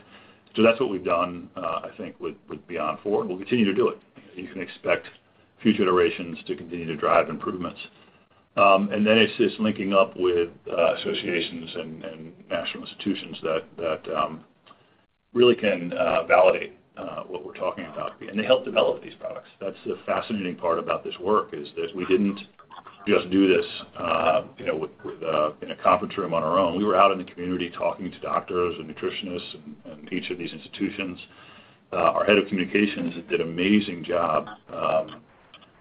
So that's what we've done, I think with Beyond IV. We'll continue to do it. You can expect future iterations to continue to drive improvements. And then it's linking up with associations and national institutions that really can validate what we're talking about, and they help develop these products. That's the fascinating part about this work, is that we didn't just do this, you know, with in a conference room on our own. We were out in the community talking to doctors and nutritionists and each of these institutions. Our head of communications did an amazing job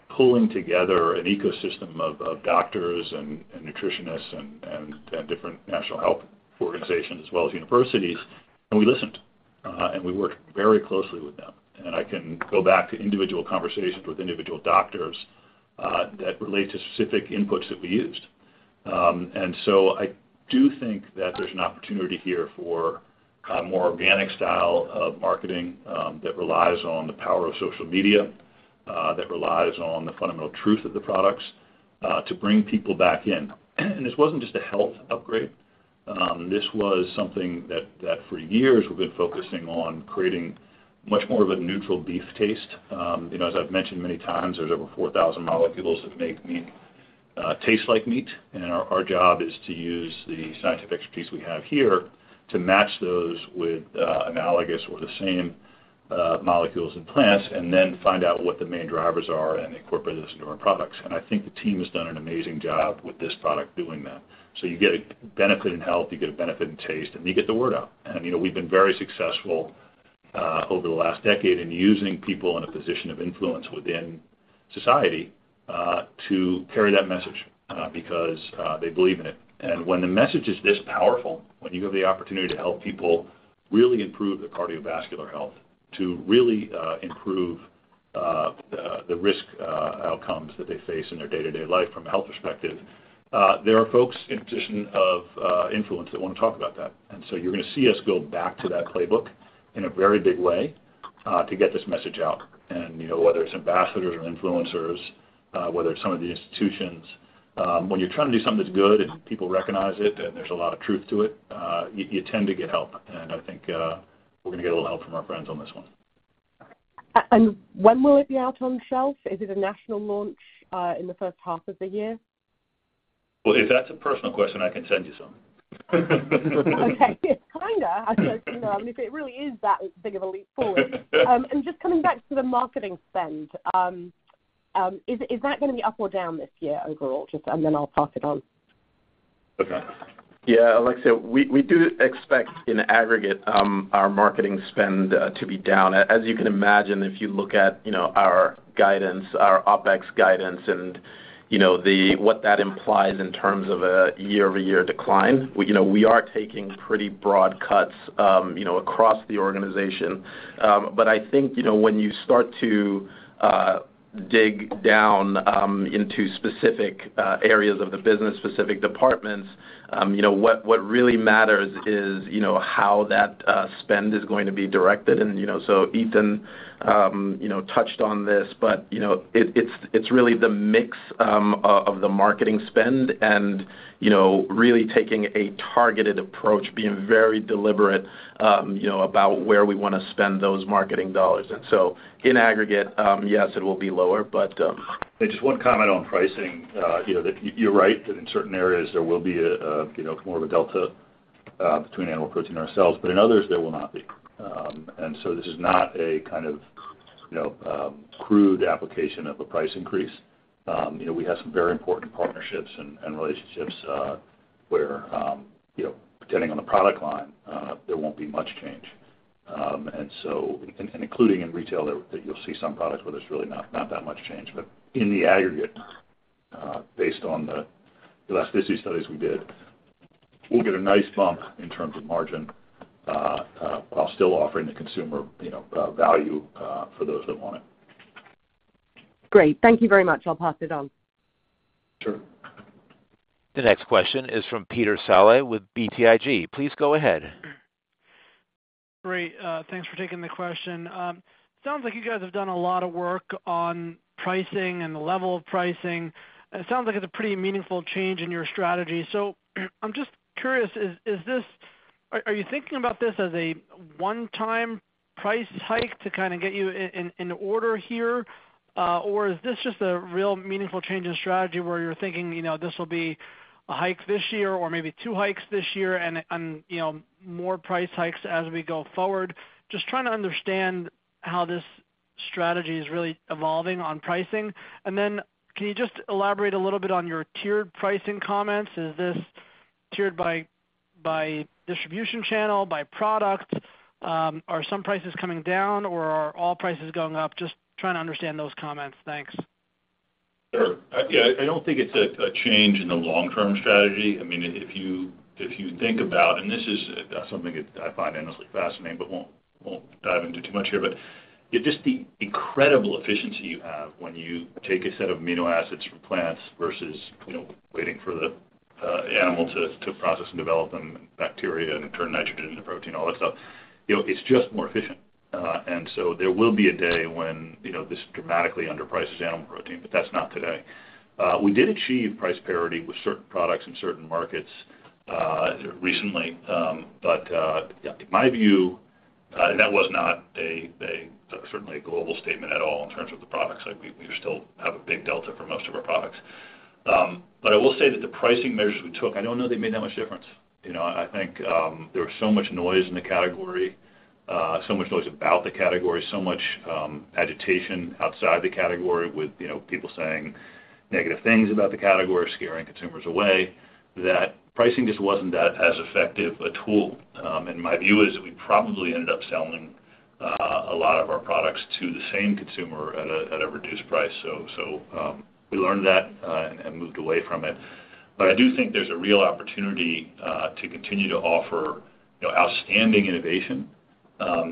pulling together an ecosystem of doctors and nutritionists and different national health organizations, as well as universities, and we listened and we worked very closely with them. I can go back to individual conversations with individual doctors that relate to specific inputs that we used. And so I do think that there's an opportunity here for a more organic style of marketing that relies on the power of social media that relies on the fundamental truth of the products to bring people back in. This wasn't just a health upgrade. This was something that for years we've been focusing on creating much more of a neutral beef taste. You know, as I've mentioned many times, there's over 4,000 molecules that make meat taste like meat, and our job is to use the scientific expertise we have here to match those with analogous or the same molecules and plants, and then find out what the main drivers are and incorporate those into our products. And I think the team has done an amazing job with this product, doing that. So you get a benefit in health, you get a benefit in taste, and you get the word out. And, you know, we've been very successful over the last decade in using people in a position of influence within society to carry that message because they believe in it. And when the message is this powerful, when you have the opportunity to help people really improve their cardiovascular health, to really improve the risk outcomes that they face in their day-to-day life from a health perspective, there are folks in a position of influence that wanna talk about that. And so you're gonna see us go back to that playbook in a very big way to get this message out. And, you know, whether it's ambassadors or influencers, whether it's some of the institutions, when you're trying to do something that's good and people recognize it, and there's a lot of truth to it, you tend to get help. And I think, we're gonna get a little help from our friends on this one. When will it be out on shelf? Is it a national launch in the first half of the year? Well, if that's a personal question, I can send you some. Okay. It's kinda, I suppose, you know, if it really is that big of a leap forward. And just coming back to the marketing spend, is that gonna be up or down this year, overall? Just and then I'll pass it on. Okay. Yeah, Alexia, we do expect, in aggregate, our marketing spend to be down. As you can imagine, if you look at, you know, our guidance, our OpEx guidance, and you know, what that implies in terms of a year-over-year decline, we, you know, we are taking pretty broad cuts, you know, across the organization. But I think, you know, when you start to dig down into specific areas of the business, specific departments, you know, what really matters is, you know, how that spend is going to be directed. And, you know, so Ethan, you know, touched on this, but, you know, it, it's really the mix of the marketing spend and, you know, really taking a targeted approach, being very deliberate, you know, about where we wanna spend those marketing dollars. So in aggregate, yes, it will be lower, but, And just one comment on pricing. You know, that you're right, that in certain areas there will be a, you know, more of a delta between animal protein and ourselves, but in others there will not be. And so this is not a kind of, you know, crude application of a price increase. You know, we have some very important partnerships and relationships where, you know, depending on the product line, there won't be much change. And so including in retail, that you'll see some products where there's really not that much change. But in the aggregate, based on the last 50 studies we did, we'll get a nice bump in terms of margin while still offering the consumer, you know, value for those that want it. Great. Thank you very much. I'll pass it on. Sure. The next question is from Peter Saleh with BTIG. Please go ahead. Great, thanks for taking the question. Sounds like you guys have done a lot of work on pricing and the level of pricing, and it sounds like it's a pretty meaningful change in your strategy. So I'm just curious, is this—are you thinking about this as a one-time price hike to kind of get you in order here? Or is this just a real meaningful change in strategy, where you're thinking, you know, this will be a hike this year or maybe two hikes this year and, you know, more price hikes as we go forward? Just trying to understand how this strategy is really evolving on pricing. And then can you just elaborate a little bit on your tiered pricing comments? Is this tiered by distribution channel, by product, are some prices coming down or are all prices going up? Just trying to understand those comments. Thanks. Sure. Yeah, I don't think it's a change in the long-term strategy. I mean, if you think about. And this is something that I find endlessly fascinating, but won't dive into too much here. But just the incredible efficiency you have when you take a set of amino acids from plants versus, you know, waiting for the animal to process and develop them and bacteria, and turn nitrogen into protein, all that stuff, you know, it's just more efficient. And so there will be a day when, you know, this dramatically underprices animal protein, but that's not today. We did achieve price parity with certain products in certain markets recently. But yeah, in my view, and that was not a certainly a global statement at all in terms of the products. Like, we still have a big delta for most of our products. But I will say that the pricing measures we took, I don't know they made that much difference. You know, I think, there was so much noise in the category, so much noise about the category, so much agitation outside the category with, you know, people saying negative things about the category, scaring consumers away, that pricing just wasn't that as effective a tool. And my view is we probably ended up selling a lot of our products to the same consumer at a reduced price. We learned that and moved away from it. But I do think there's a real opportunity to continue to offer, you know, outstanding innovation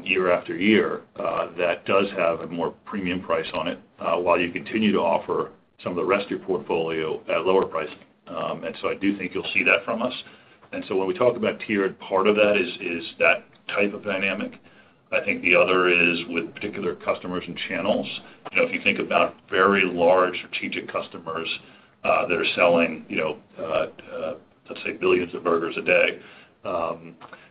year after year that does have a more premium price on it while you continue to offer some of the rest of your portfolio at a lower price. And so I do think you'll see that from us. And so when we talk about tiered, part of that is that type of dynamic. I think the other is with particular customers and channels. You know, if you think about very large strategic customers that are selling, you know, let's say, billions of burgers a day,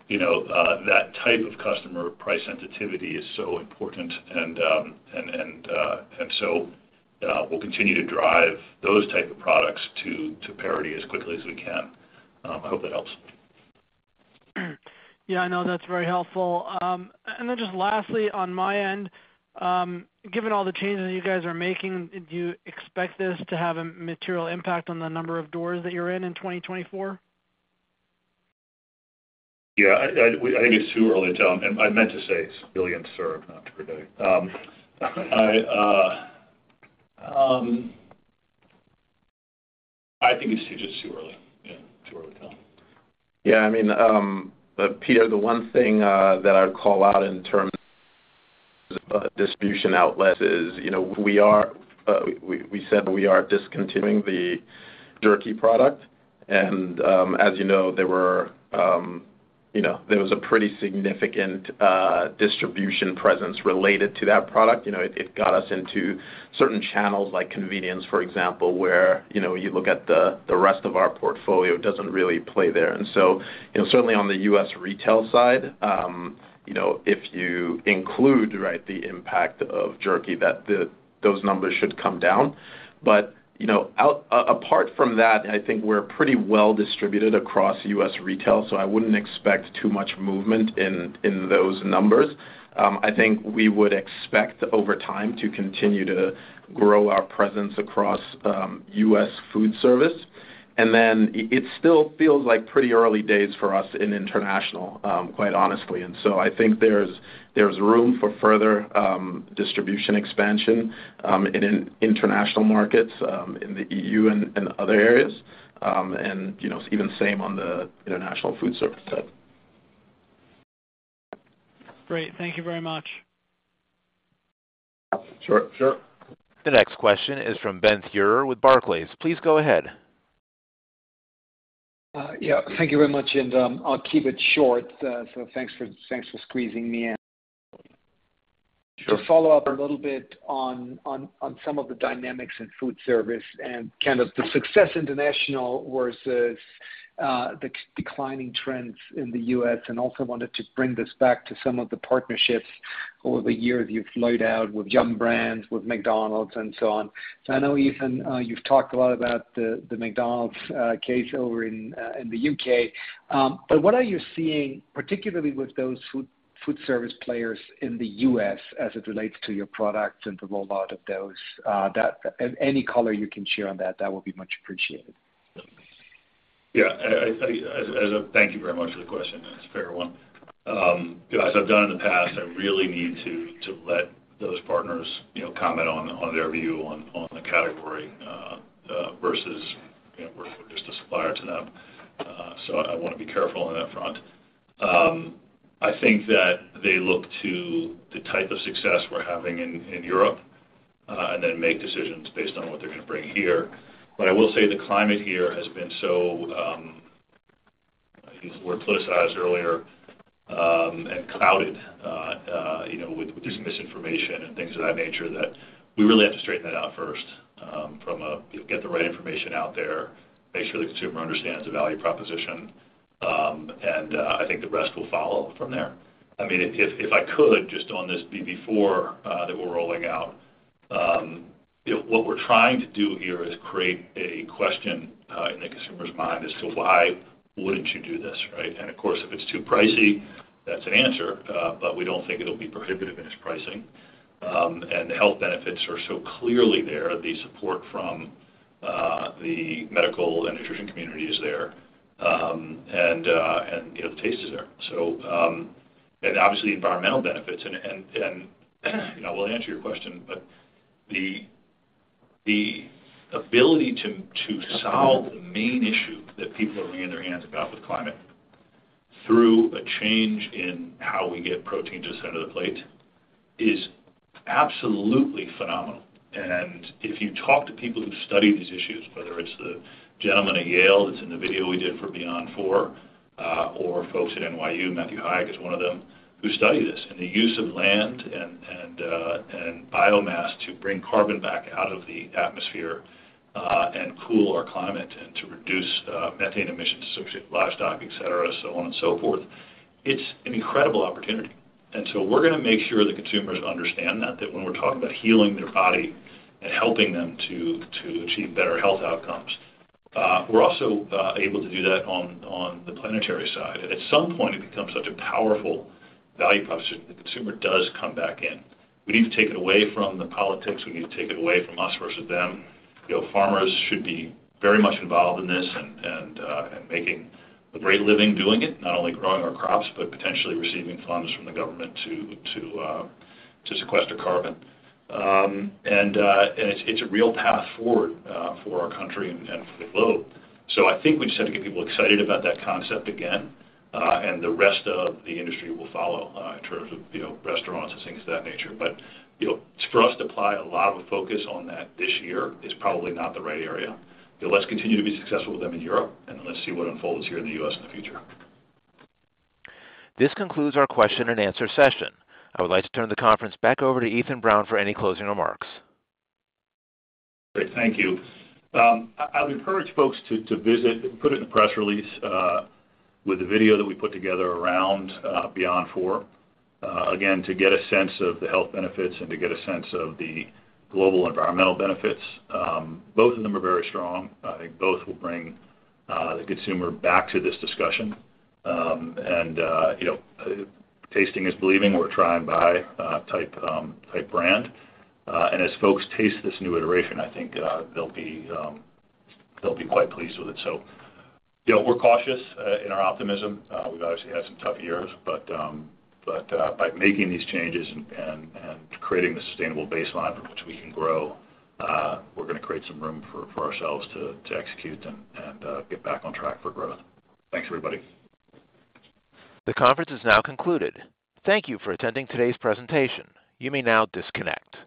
you know, that type of customer price sensitivity is so important. And so, we'll continue to drive those type of products to parity as quickly as we can. I hope that helps. Yeah, no, that's very helpful. And then just lastly, on my end, given all the changes you guys are making, do you expect this to have a material impact on the number of doors that you're in, in 2024? Yeah, I think it's too early to tell. And I meant to say it's billions served, not per day. I think it's just too early. Yeah, too early to tell. Yeah, I mean, but Peter, the one thing that I'd call out in terms of distribution outlets is, you know, we said that we are discontinuing the jerky product. And, as you know, there were, you know, there was a pretty significant distribution presence related to that product. You know, it got us into certain channels like convenience, for example, where, you know, you look at the rest of our portfolio, it doesn't really play there. And so, you know, certainly on the U.S. retail side, you know, if you include, right, the impact of jerky, that those numbers should come down. But, you know, apart from that, I think we're pretty well distributed across U.S. retail, so I wouldn't expect too much movement in those numbers. I think we would expect over time to continue to grow our presence across U.S. food service. And then it still feels like pretty early days for us in international, quite honestly. And so I think there's room for further distribution expansion in international markets in the E.U. and other areas. And you know, even same on the international food service side. Great. Thank you very much. Sure, sure. The next question is from Ben Theurer with Barclays. Please go ahead. Yeah, thank you very much, and I'll keep it short. So thanks for squeezing me in. Sure. To follow up a little bit on some of the dynamics in food service and kind of the success international versus the declining trends in the U.S., and also wanted to bring this back to some of the partnerships over the years you've laid out with Yum! Brands, with McDonald's, and so on. So I know, Ethan, you've talked a lot about the McDonald's case over in the U.K. But what are you seeing, particularly with those food service players in the U.S. as it relates to your products and the rollout of those? That any color you can share on that would be much appreciated. Thank you very much for the question. It's a fair one. You know, as I've done in the past, I really need to let those partners, you know, comment on their view on the category versus, you know, we're just a supplier to them, so I wanna be careful on that front. I think that they look to the type of success we're having in Europe and then make decisions based on what they're gonna bring here. But I will say the climate here has been so, I use the word politicized earlier, and clouded, you know, with just misinformation and things of that nature, that we really have to straighten that out first, from a, get the right information out there, make sure the consumer understands the value proposition, and I think the rest will follow from there. I mean, if I could, just on this Beyond IV, that we're rolling out, you know, what we're trying to do here is create a question, in the consumer's mind as to why wouldn't you do this, right? And of course, if it's too pricey, that's an answer, but we don't think it'll be prohibitive in its pricing. And the health benefits are so clearly there, the support from the medical and nutrition community is there, and, and, you know, the taste is there. So, and obviously, environmental benefits and, and, and you know, we'll answer your question, but the ability to solve the main issue that people are wringing their hands about with climate through a change in how we get protein to the center of the plate, is absolutely phenomenal. And if you talk to people who study these issues, whether it's the gentleman at Yale that's in the video we did for Beyond IV, or folks at NYU, Matthew Hayek is one of them, who study this. And the use of land and biomass to bring carbon back out of the atmosphere, and cool our climate and to reduce methane emissions, associated livestock, et cetera, so on and so forth, it's an incredible opportunity. So we're gonna make sure the consumers understand that, that when we're talking about healing their body and helping them to achieve better health outcomes, we're also able to do that on the planetary side. At some point, it becomes such a powerful value proposition. The consumer does come back in. We need to take it away from the politics. We need to take it away from us versus them. You know, farmers should be very much involved in this and making a great living doing it, not only growing our crops, but potentially receiving funds from the government to sequester carbon. It's a real path forward for our country and for the globe. So I think we just have to get people excited about that concept again, and the rest of the industry will follow, in terms of, you know, restaurants and things of that nature. But, you know, for us to apply a lot of focus on that this year is probably not the right area. Let's continue to be successful with them in Europe, and then let's see what unfolds here in the U.S. in the future. This concludes our question and answer session. I would like to turn the conference back over to Ethan Brown for any closing remarks. Great, thank you. I would encourage folks to visit, we put it in the press release, with the video that we put together around Beyond IV. Again, to get a sense of the health benefits and to get a sense of the global environmental benefits. Both of them are very strong. I think both will bring the consumer back to this discussion. And, you know, tasting is believing. We're a try and buy type brand. And as folks taste this new iteration, I think they'll be quite pleased with it. So, you know, we're cautious in our optimism. We've obviously had some tough years, but by making these changes and creating the sustainable baseline from which we can grow, we're gonna create some room for ourselves to execute and get back on track for growth. Thanks, everybody. The conference is now concluded. Thank you for attending today's presentation. You may now disconnect.